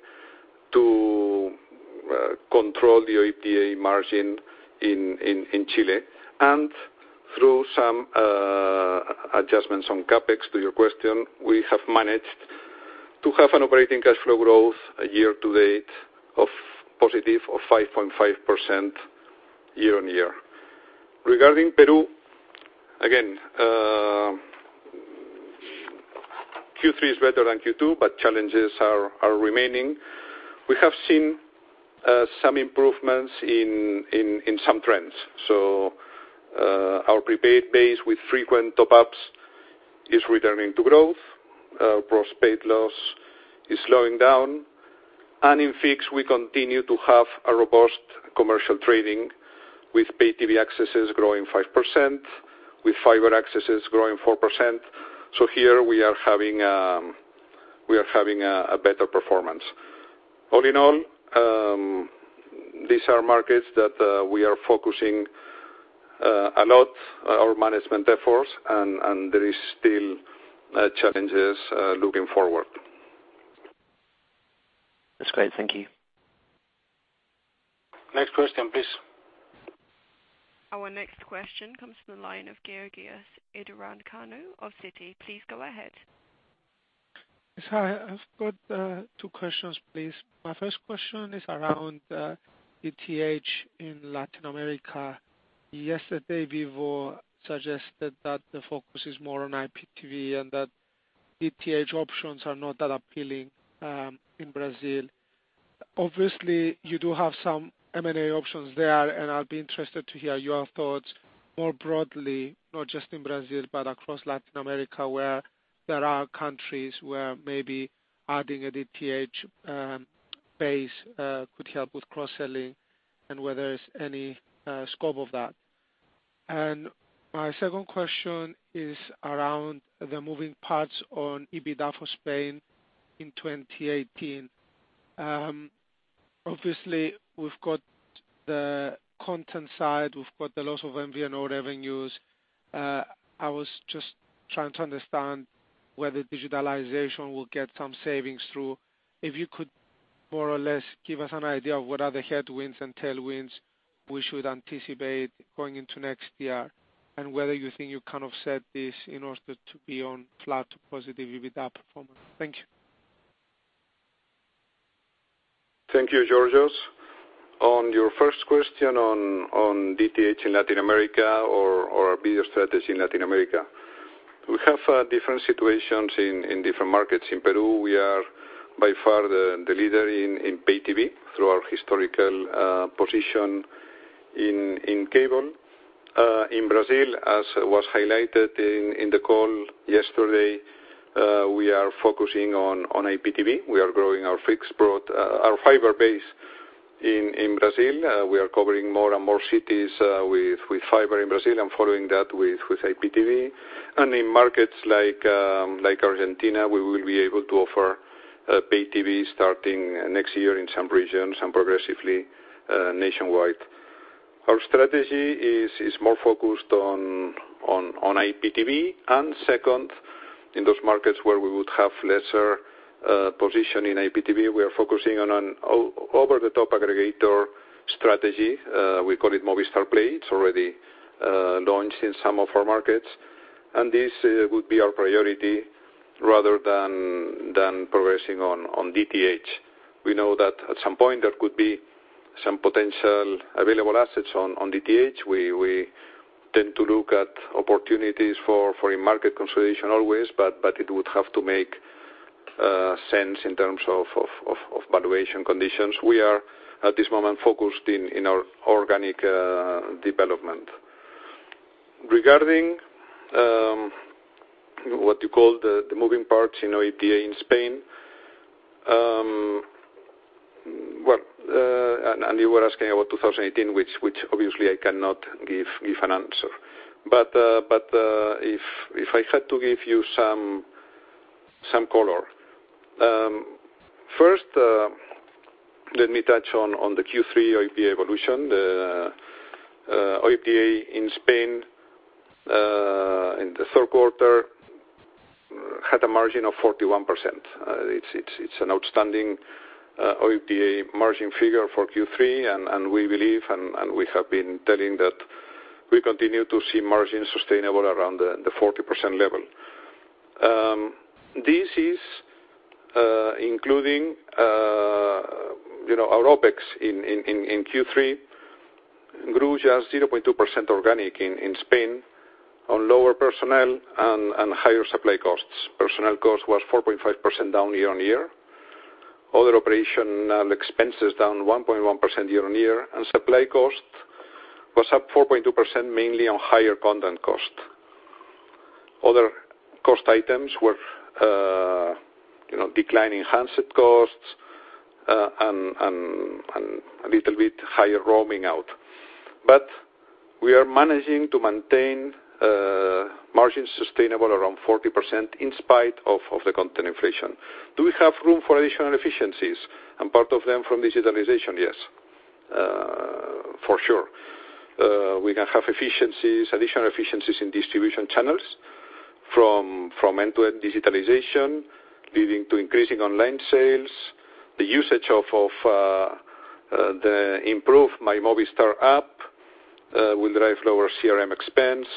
to control the OIBDA margin in Chile. Through some adjustments on CapEx, to your question, we have managed to have an operating cash flow growth year to date of positive of 5.5% year-on-year. Regarding Peru, again, Q3 is better than Q2. Challenges are remaining. We have seen some improvements in some trends. Our prepaid base with frequent top-ups is returning to growth. Postpaid loss is slowing down. In fixed, we continue to have a robust commercial trading with Pay TV accesses growing 5%, with fiber accesses growing 4%. Here we are having a better performance. All in all, these are markets that we are focusing a lot our management efforts, and there is still challenges looking forward. That's great. Thank you. Next question, please. Our next question comes from the line of Georgios Ierodiaconou of Citi. Please go ahead. Yes, hi. I've got two questions, please. My first question is around DTH in Latin America. Yesterday, Vivo suggested that the focus is more on IPTV and that DTH options are not that appealing in Brazil. Obviously, you do have some M&A options there, and I'd be interested to hear your thoughts more broadly, not just in Brazil, but across Latin America, where there are countries where maybe adding a DTH base could help with cross-selling and whether there's any scope of that. My second question is around the moving parts on EBITDA for Spain in 2018. Obviously, we've got the content side. We've got the loss of MVNO revenues. I was just trying to understand whether digitalization will get some savings through. If you could more or less give us an idea of what are the headwinds and tailwinds we should anticipate going into next year, and whether you think you offset this in order to be on flat to positive EBITDA performance. Thank you. Thank you, Georgios. On your first question on DTH in Latin America or video strategy in Latin America. We have different situations in different markets. In Peru, we are by far the leader in Pay TV through our historical position in cable. In Brazil, as was highlighted in the call yesterday, we are focusing on IPTV. We are growing our fiber base in Brazil. We are covering more and more cities with fiber in Brazil and following that with IPTV. In markets like Argentina, we will be able to offer Pay TV starting next year in some regions and progressively nationwide. Our strategy is more focused on IPTV. Second, in those markets where we would have lesser position in IPTV, we are focusing on an over-the-top aggregator strategy. We call it Movistar Play. It's already launched in some of our markets, and this would be our priority rather than progressing on DTH. We know that at some point there could be some potential available assets on DTH. We tend to look at opportunities for a market consolidation always, but it would have to make sense in terms of valuation conditions. We are, at this moment, focused in our organic development. Regarding what you call the moving parts in OIBDA in Spain, and you were asking about 2018, which obviously I cannot give an answer. If I had to give you some color, first, let me touch on the Q3 OIBDA evolution. The OIBDA in Spain in the third quarter had a margin of 41%. It's an outstanding OIBDA margin figure for Q3, and we believe, and we have been telling that we continue to see margins sustainable around the 40% level. This is including our OpEx in Q3, grew just 0.2% organic in Spain on lower personnel and higher supply costs. Personnel cost was 4.5% down year-on-year. Other operational expenses down 1.1% year-on-year. Supply cost was up 4.2%, mainly on higher content cost. Other cost items were declining handset costs, and a little bit higher roaming out. We are managing to maintain margins sustainable around 40% in spite of the content inflation. Do we have room for additional efficiencies and part of them from digitalization? Yes, for sure. We can have additional efficiencies in distribution channels from end-to-end digitalization, leading to increasing online sales, the usage of the improved Mi Movistar app will drive lower CRM expense.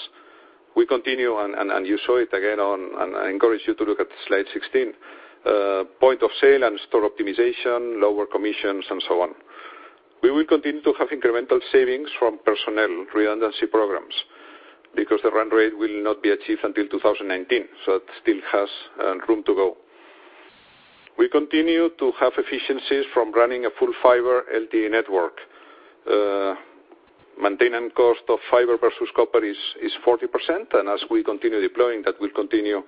We continue, and you saw it again on, and I encourage you to look at slide 16, point of sale and store optimization, lower commissions and so on. We will continue to have incremental savings from personnel redundancy programs because the run rate will not be achieved until 2019, so it still has room to go. We continue to have efficiencies from running a full fiber LTE network. Maintaining cost of fiber versus copper is 40%, and as we continue deploying, that will continue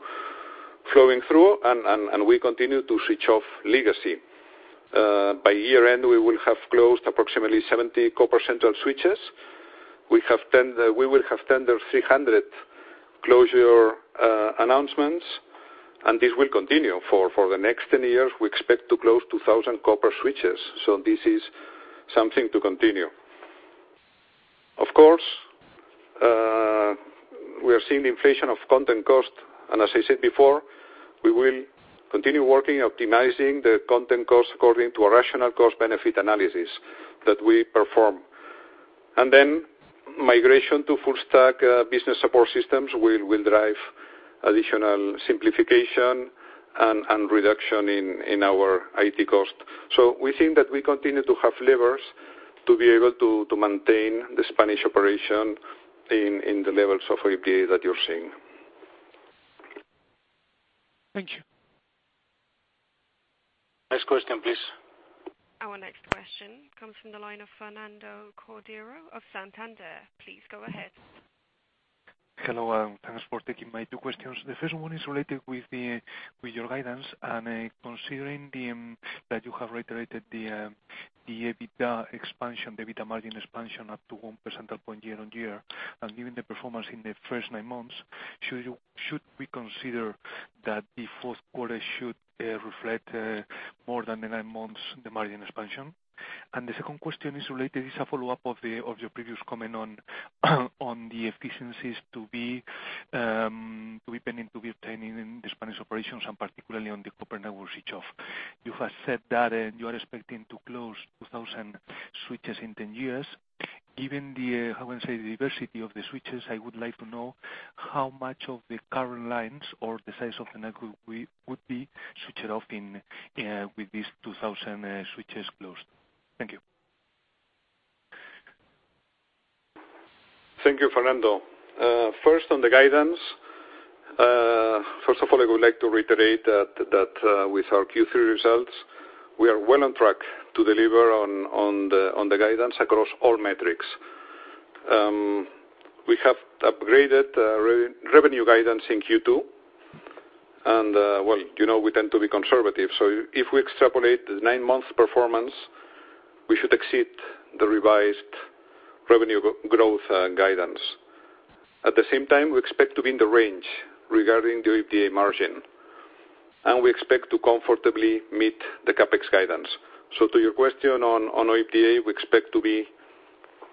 flowing through, and we continue to switch off legacy. By year-end, we will have closed approximately 70 copper central switches. We will have tender 300 closure announcements, and this will continue. For the next 10 years, we expect to close 2,000 copper switches, so this is something to continue. Of course, we are seeing the inflation of content cost. As I said before, we will continue working, optimizing the content cost according to a rational cost-benefit analysis that we perform. Migration to full-stack business support systems will drive additional simplification and reduction in our IT cost. We think that we continue to have levers to be able to maintain the Spanish operation in the levels of OIBDA that you're seeing. Thank you. Next question, please. Our next question comes from the line of Fernando Cordero of Santander. Please go ahead. Hello. Thanks for taking my two questions. The first one is related with your guidance, considering that you have reiterated the EBITDA margin expansion up to one percentage point year-on-year. Given the performance in the first nine months, should we consider that the fourth quarter should reflect more than the nine months, the margin expansion? The second question is related. It's a follow-up of your previous comment on the efficiencies to be obtaining in the Spanish operations, particularly on the copper network switch off. You have said that, you are expecting to close 2,000 switches in 10 years. Given the, how can I say, diversity of the switches, I would like to know how much of the current lines or the size of the network would be switched off with these 2,000 switches closed. Thank you. Thank you, Fernando. First on the guidance. First of all, I would like to reiterate that with our Q3 results, we are well on track to deliver on the guidance across all metrics. We have upgraded revenue guidance in Q2, and, well, you know we tend to be conservative. If we extrapolate the nine-month performance, we should exceed the revised revenue growth guidance. At the same time, we expect to be in the range regarding the OIBDA margin, and we expect to comfortably meet the CapEx guidance. To your question on OIBDA, we expect to be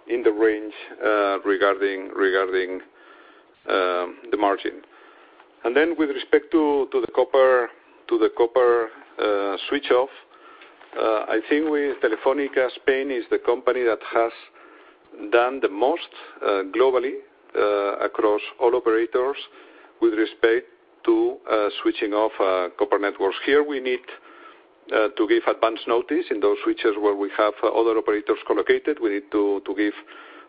in the range regarding the margin. Then with respect to the copper switch off, I think with Telefónica, Spain is the company that has done the most globally across all operators with respect to switching off copper networks. Here, we need to give advance notice in those switches where we have other operators co-located. We need to give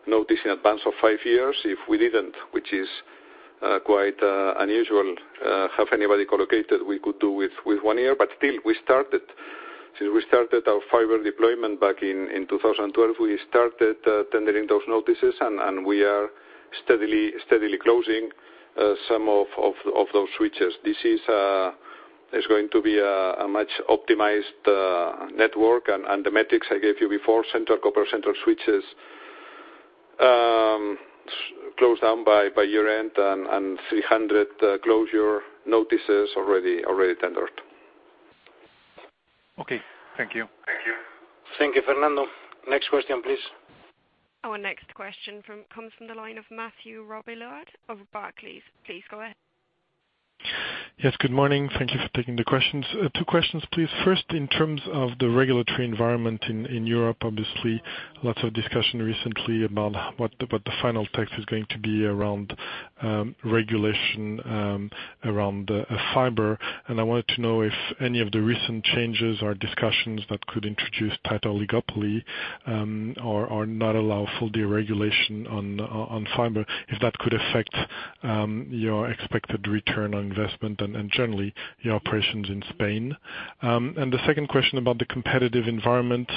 notice in advance of 5 years. If we didn't, which is quite unusual, have anybody co-located, we could do with one year, but still, we started. Since we started our fiber deployment back in 2012, we started tendering those notices, and we are steadily closing some of those switches. This is going to be a much optimized network, and the metrics I gave you before, central copper, central switches closed down by year-end and 300 closure notices already tendered. Okay. Thank you. Thank you. Thank you, Fernando. Next question, please. Our next question comes from the line of Mathieu Robilliard of Barclays. Please go ahead. Yes, good morning. Thank you for taking the questions. Two questions, please. First, in terms of the regulatory environment in Europe, obviously lots of discussion recently about what the final text is going to be around regulation around fiber. I wanted to know if any of the recent changes or discussions that could introduce tighter oligopoly, or not allow full deregulation on fiber, if that could affect your expected return on investment and generally your operations in Spain. The second question about the competitive environment,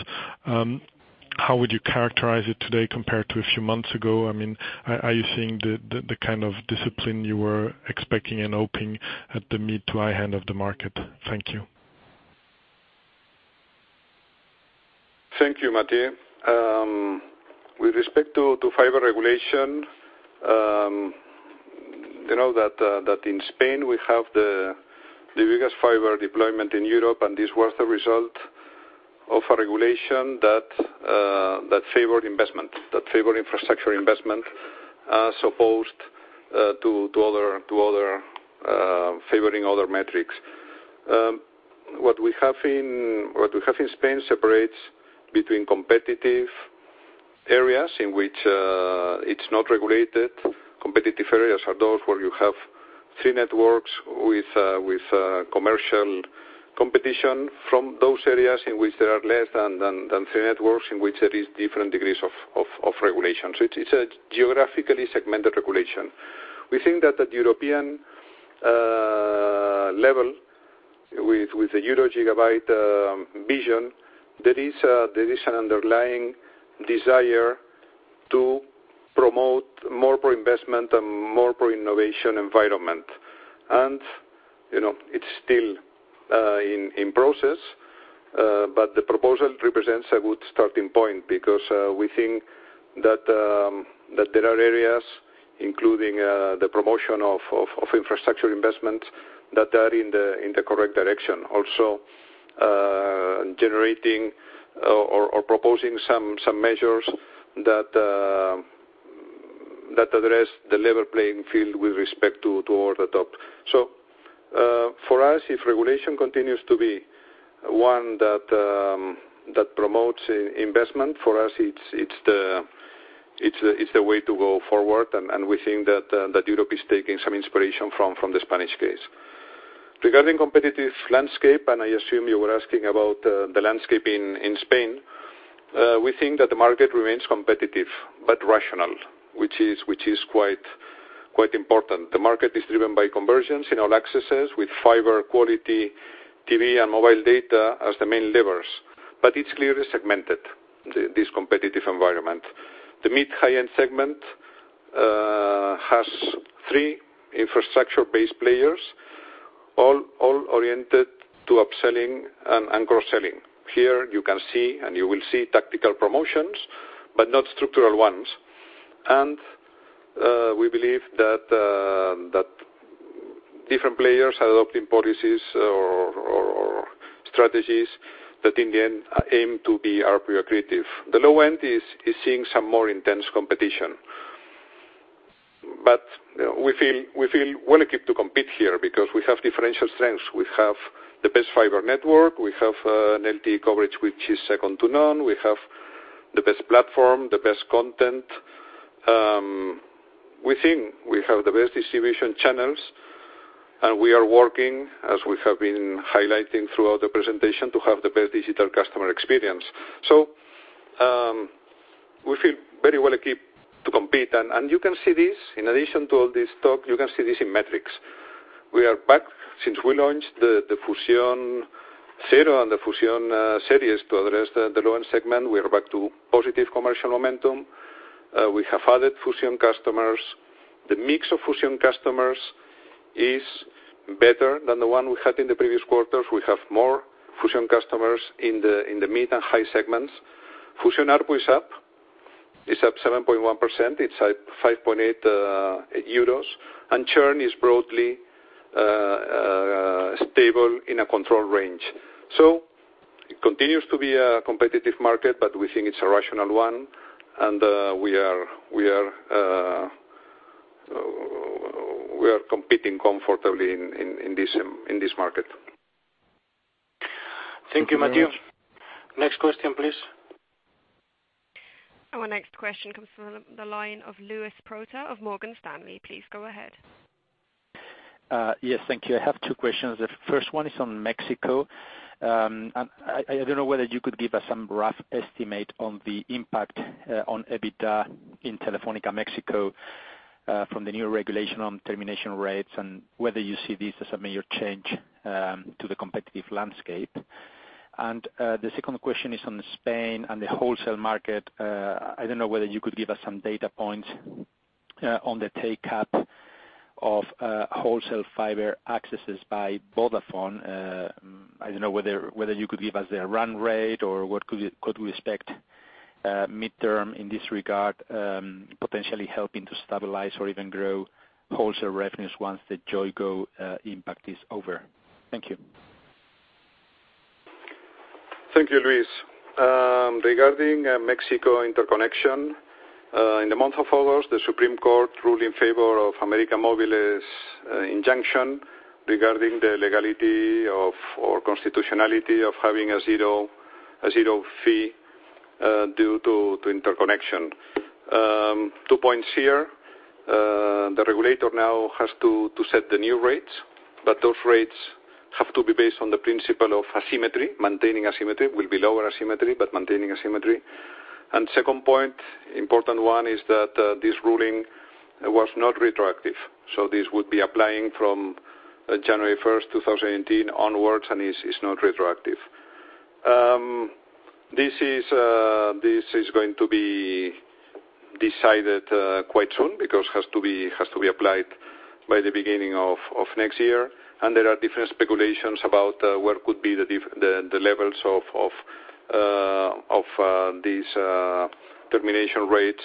how would you characterize it today compared to a few months ago? Are you seeing the kind of discipline you were expecting and hoping at the mid to high end of the market? Thank you. Thank you, Matthew. With respect to fiber regulation, you know that in Spain, we have the biggest fiber deployment in Europe, and this was the result of a regulation that favored investment, that favored infrastructure investment, as opposed to favoring other metrics. What we have in Spain separates between competitive areas in which it's not regulated. Competitive areas are those where you have three networks with commercial competition from those areas in which there are less than three networks, in which there is different degrees of regulation. It's a geographically segmented regulation. We think that at European level, with the European Gigabit Society, there is an underlying desire to promote more pro-investment and more pro-innovation environment. It's still in process, but the proposal represents a good starting point because we think that there are areas, including the promotion of infrastructure investment, that are in the correct direction. Also generating or proposing some measures that address the level playing field with respect to over the top. For us, if regulation continues to be one that promotes investment, for us, it's the way to go forward. We think that Europe is taking some inspiration from the Spanish case. Regarding competitive landscape, I assume you were asking about the landscape in Spain, we think that the market remains competitive, but rational, which is quite important. The market is driven by convergence in all accesses with fiber quality TV and mobile data as the main levers, but it's clearly segmented, this competitive environment. The mid-high-end segment has three infrastructure-based players, all oriented to upselling and cross-selling. Here you can see, you will see tactical promotions, but not structural ones. We believe that different players are adopting policies or strategies that in the end aim to be ARPU accretive. The low end is seeing some more intense competition. But we feel well equipped to compete here because we have differential strengths. We have the best fiber network. We have an LTE coverage, which is second to none. We have the best platform, the best content. We think we have the best distribution channels, and we are working, as we have been highlighting throughout the presentation, to have the best digital customer experience. So we feel very well equipped to compete, and you can see this, in addition to all this talk, you can see this in metrics. We are back since we launched the Fusión Cero and the Fusión Series to address the low-end segment. We are back to positive commercial momentum. We have added Fusión customers. The mix of Fusión customers is better than the one we had in the previous quarters. We have more Fusión customers in the mid and high segments. Fusión ARPU is up. It's up 7.1%, it's at 85.8 euros, and churn is broadly stable in a controlled range. So it continues to be a competitive market, but we think it's a rational one, and we are competing comfortably in this market. Thank you, Matthew. Next question, please. Our next question comes from the line of Luis Prota of Morgan Stanley. Please go ahead. Yes, thank you. I have two questions. The first one is on Mexico. I don't know whether you could give us some rough estimate on the impact on EBITDA in Telefónica México from the new regulation on termination rates and whether you see this as a major change to the competitive landscape. The second question is on Spain and the wholesale market. I don't know whether you could give us some data points on the take-up of wholesale fiber accesses by Vodafone. I don't know whether you could give us their run rate or what could we expect midterm in this regard, potentially helping to stabilize or even grow wholesale revenues once the Yoigo impact is over. Thank you. Thank you, Luis. Regarding Mexico interconnection, in the month of August, the Supreme Court ruled in favor of América Móvil's injunction regarding the legality or constitutionality of having a zero fee due to interconnection. Two points here. The regulator now has to set the new rates, but those rates have to be based on the principle of maintaining asymmetry. Will be lower asymmetry, but maintaining asymmetry. Second point, important one, is that this ruling was not retroactive, so this would be applying from January 1st, 2018 onwards, and it's not retroactive. This is going to be decided quite soon because it has to be applied by the beginning of next year. There are different speculations about what could be the levels of these termination rates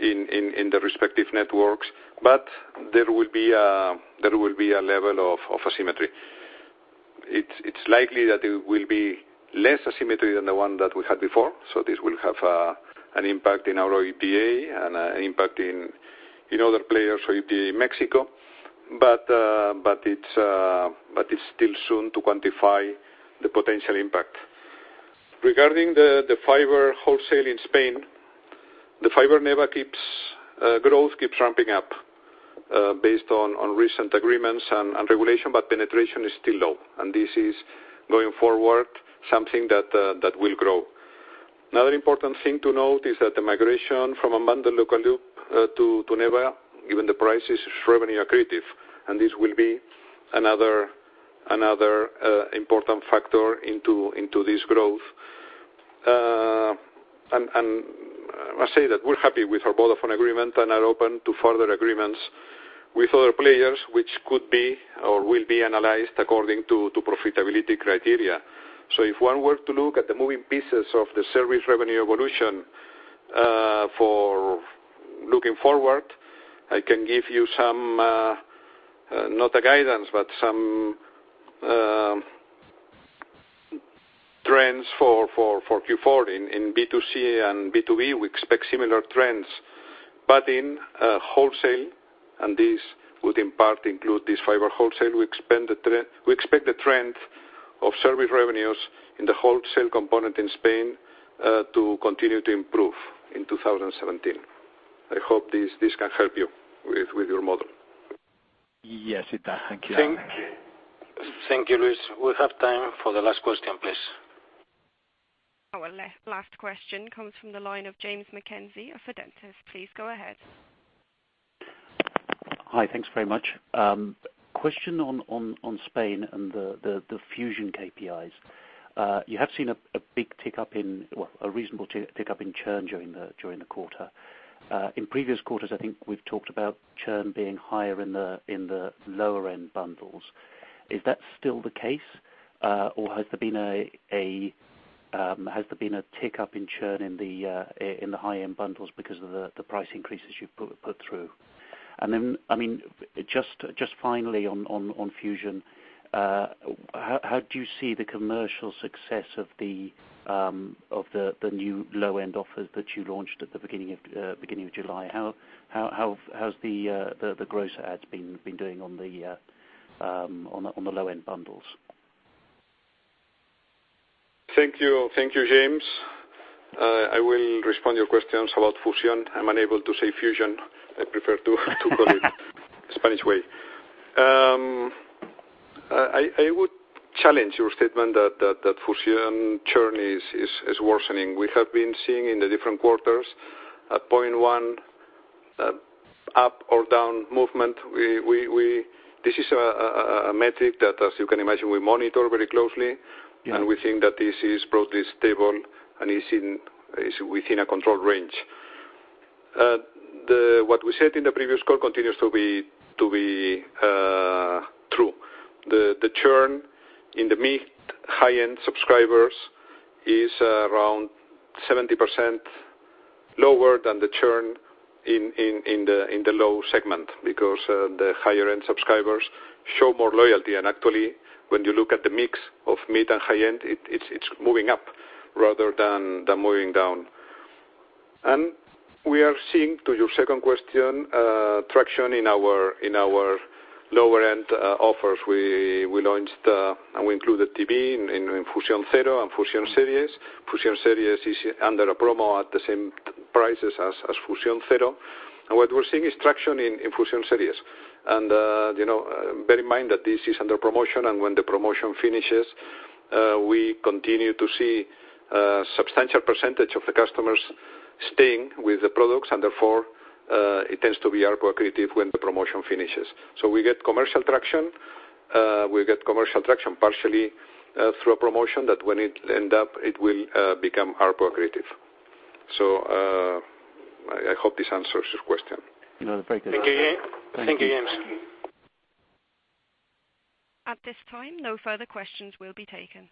in the respective networks. There will be a level of asymmetry. It's likely that it will be less asymmetry than the one that we had before. This will have an impact in our OIBDA and an impact in other players for OIBDA Mexico. It's still soon to quantify the potential impact. Regarding the fiber wholesale in Spain, the fiber NEBA growth keeps ramping up based on recent agreements and regulation. Penetration is still low, and this is going forward, something that will grow. Another important thing to note is that the migration from a bundled local loop to NEBA, given the prices, is revenue accretive, and this will be another important factor into this growth. I say that we're happy with our Vodafone agreement and are open to further agreements with other players, which could be or will be analyzed according to profitability criteria. If one were to look at the moving pieces of the service revenue evolution for looking forward, I can give you some, not a guidance, but some trends for Q4. In B2C and B2B, we expect similar trends. In wholesale, and this would in part include this fiber wholesale, we expect the trend of service revenues in the wholesale component in Spain to continue to improve in 2017. I hope this can help you with your model. Yes, it does. Thank you. Thank you, Luis. We have time for the last question, please. Our last question comes from the line of James McKenzie of Fidentiis. Please go ahead. Hi. Thanks very much. Question on Spain and the Fusión KPIs. You have seen a reasonable tick-up in churn during the quarter. In previous quarters, I think we've talked about churn being higher in the lower-end bundles. Is that still the case, or has there been a tick-up in churn in the high-end bundles because of the price increases you've put through? Then, just finally on Fusión, how do you see the commercial success of the new low-end offers that you launched at the beginning of July? How's the gross adds been doing on the low-end bundles? Thank you, James. I will respond your questions about Fusión. I'm unable to say Fusión. I prefer to call it the Spanish way. I would challenge your statement that Fusión churn is worsening. We have been seeing in the different quarters a 0.1 up or down movement. This is a metric that, as you can imagine, we monitor very closely. Yeah. We think that this is broadly stable and is within a controlled range. What we said in the previous call continues to be true. The churn in the mid-/high-end subscribers is around 70% lower than the churn in the low segment because the higher-end subscribers show more loyalty. Actually, when you look at the mix of mid- and high-end, it's moving up rather than moving down. We are seeing, to your second question, traction in our lower-end offers. We launched and we included TV in Fusión Cero and Fusión Series. Fusión Series is under a promo at the same prices as Fusión Cero. What we're seeing is traction in Fusión Series. Bear in mind that this is under promotion, and when the promotion finishes, we continue to see a substantial percentage of the customers staying with the products, and therefore, it tends to be ARPU accretive when the promotion finishes. We get commercial traction partially through a promotion that when it ends up, it will become ARPU accretive. I hope this answers your question. No, thank you. Thank you, James. At this time, no further questions will be taken.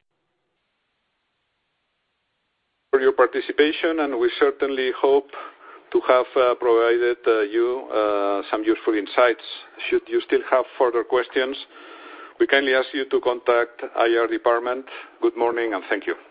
For your participation, we certainly hope to have provided you some useful insights. Should you still have further questions, we kindly ask you to contact IR Department. Good morning, and thank you.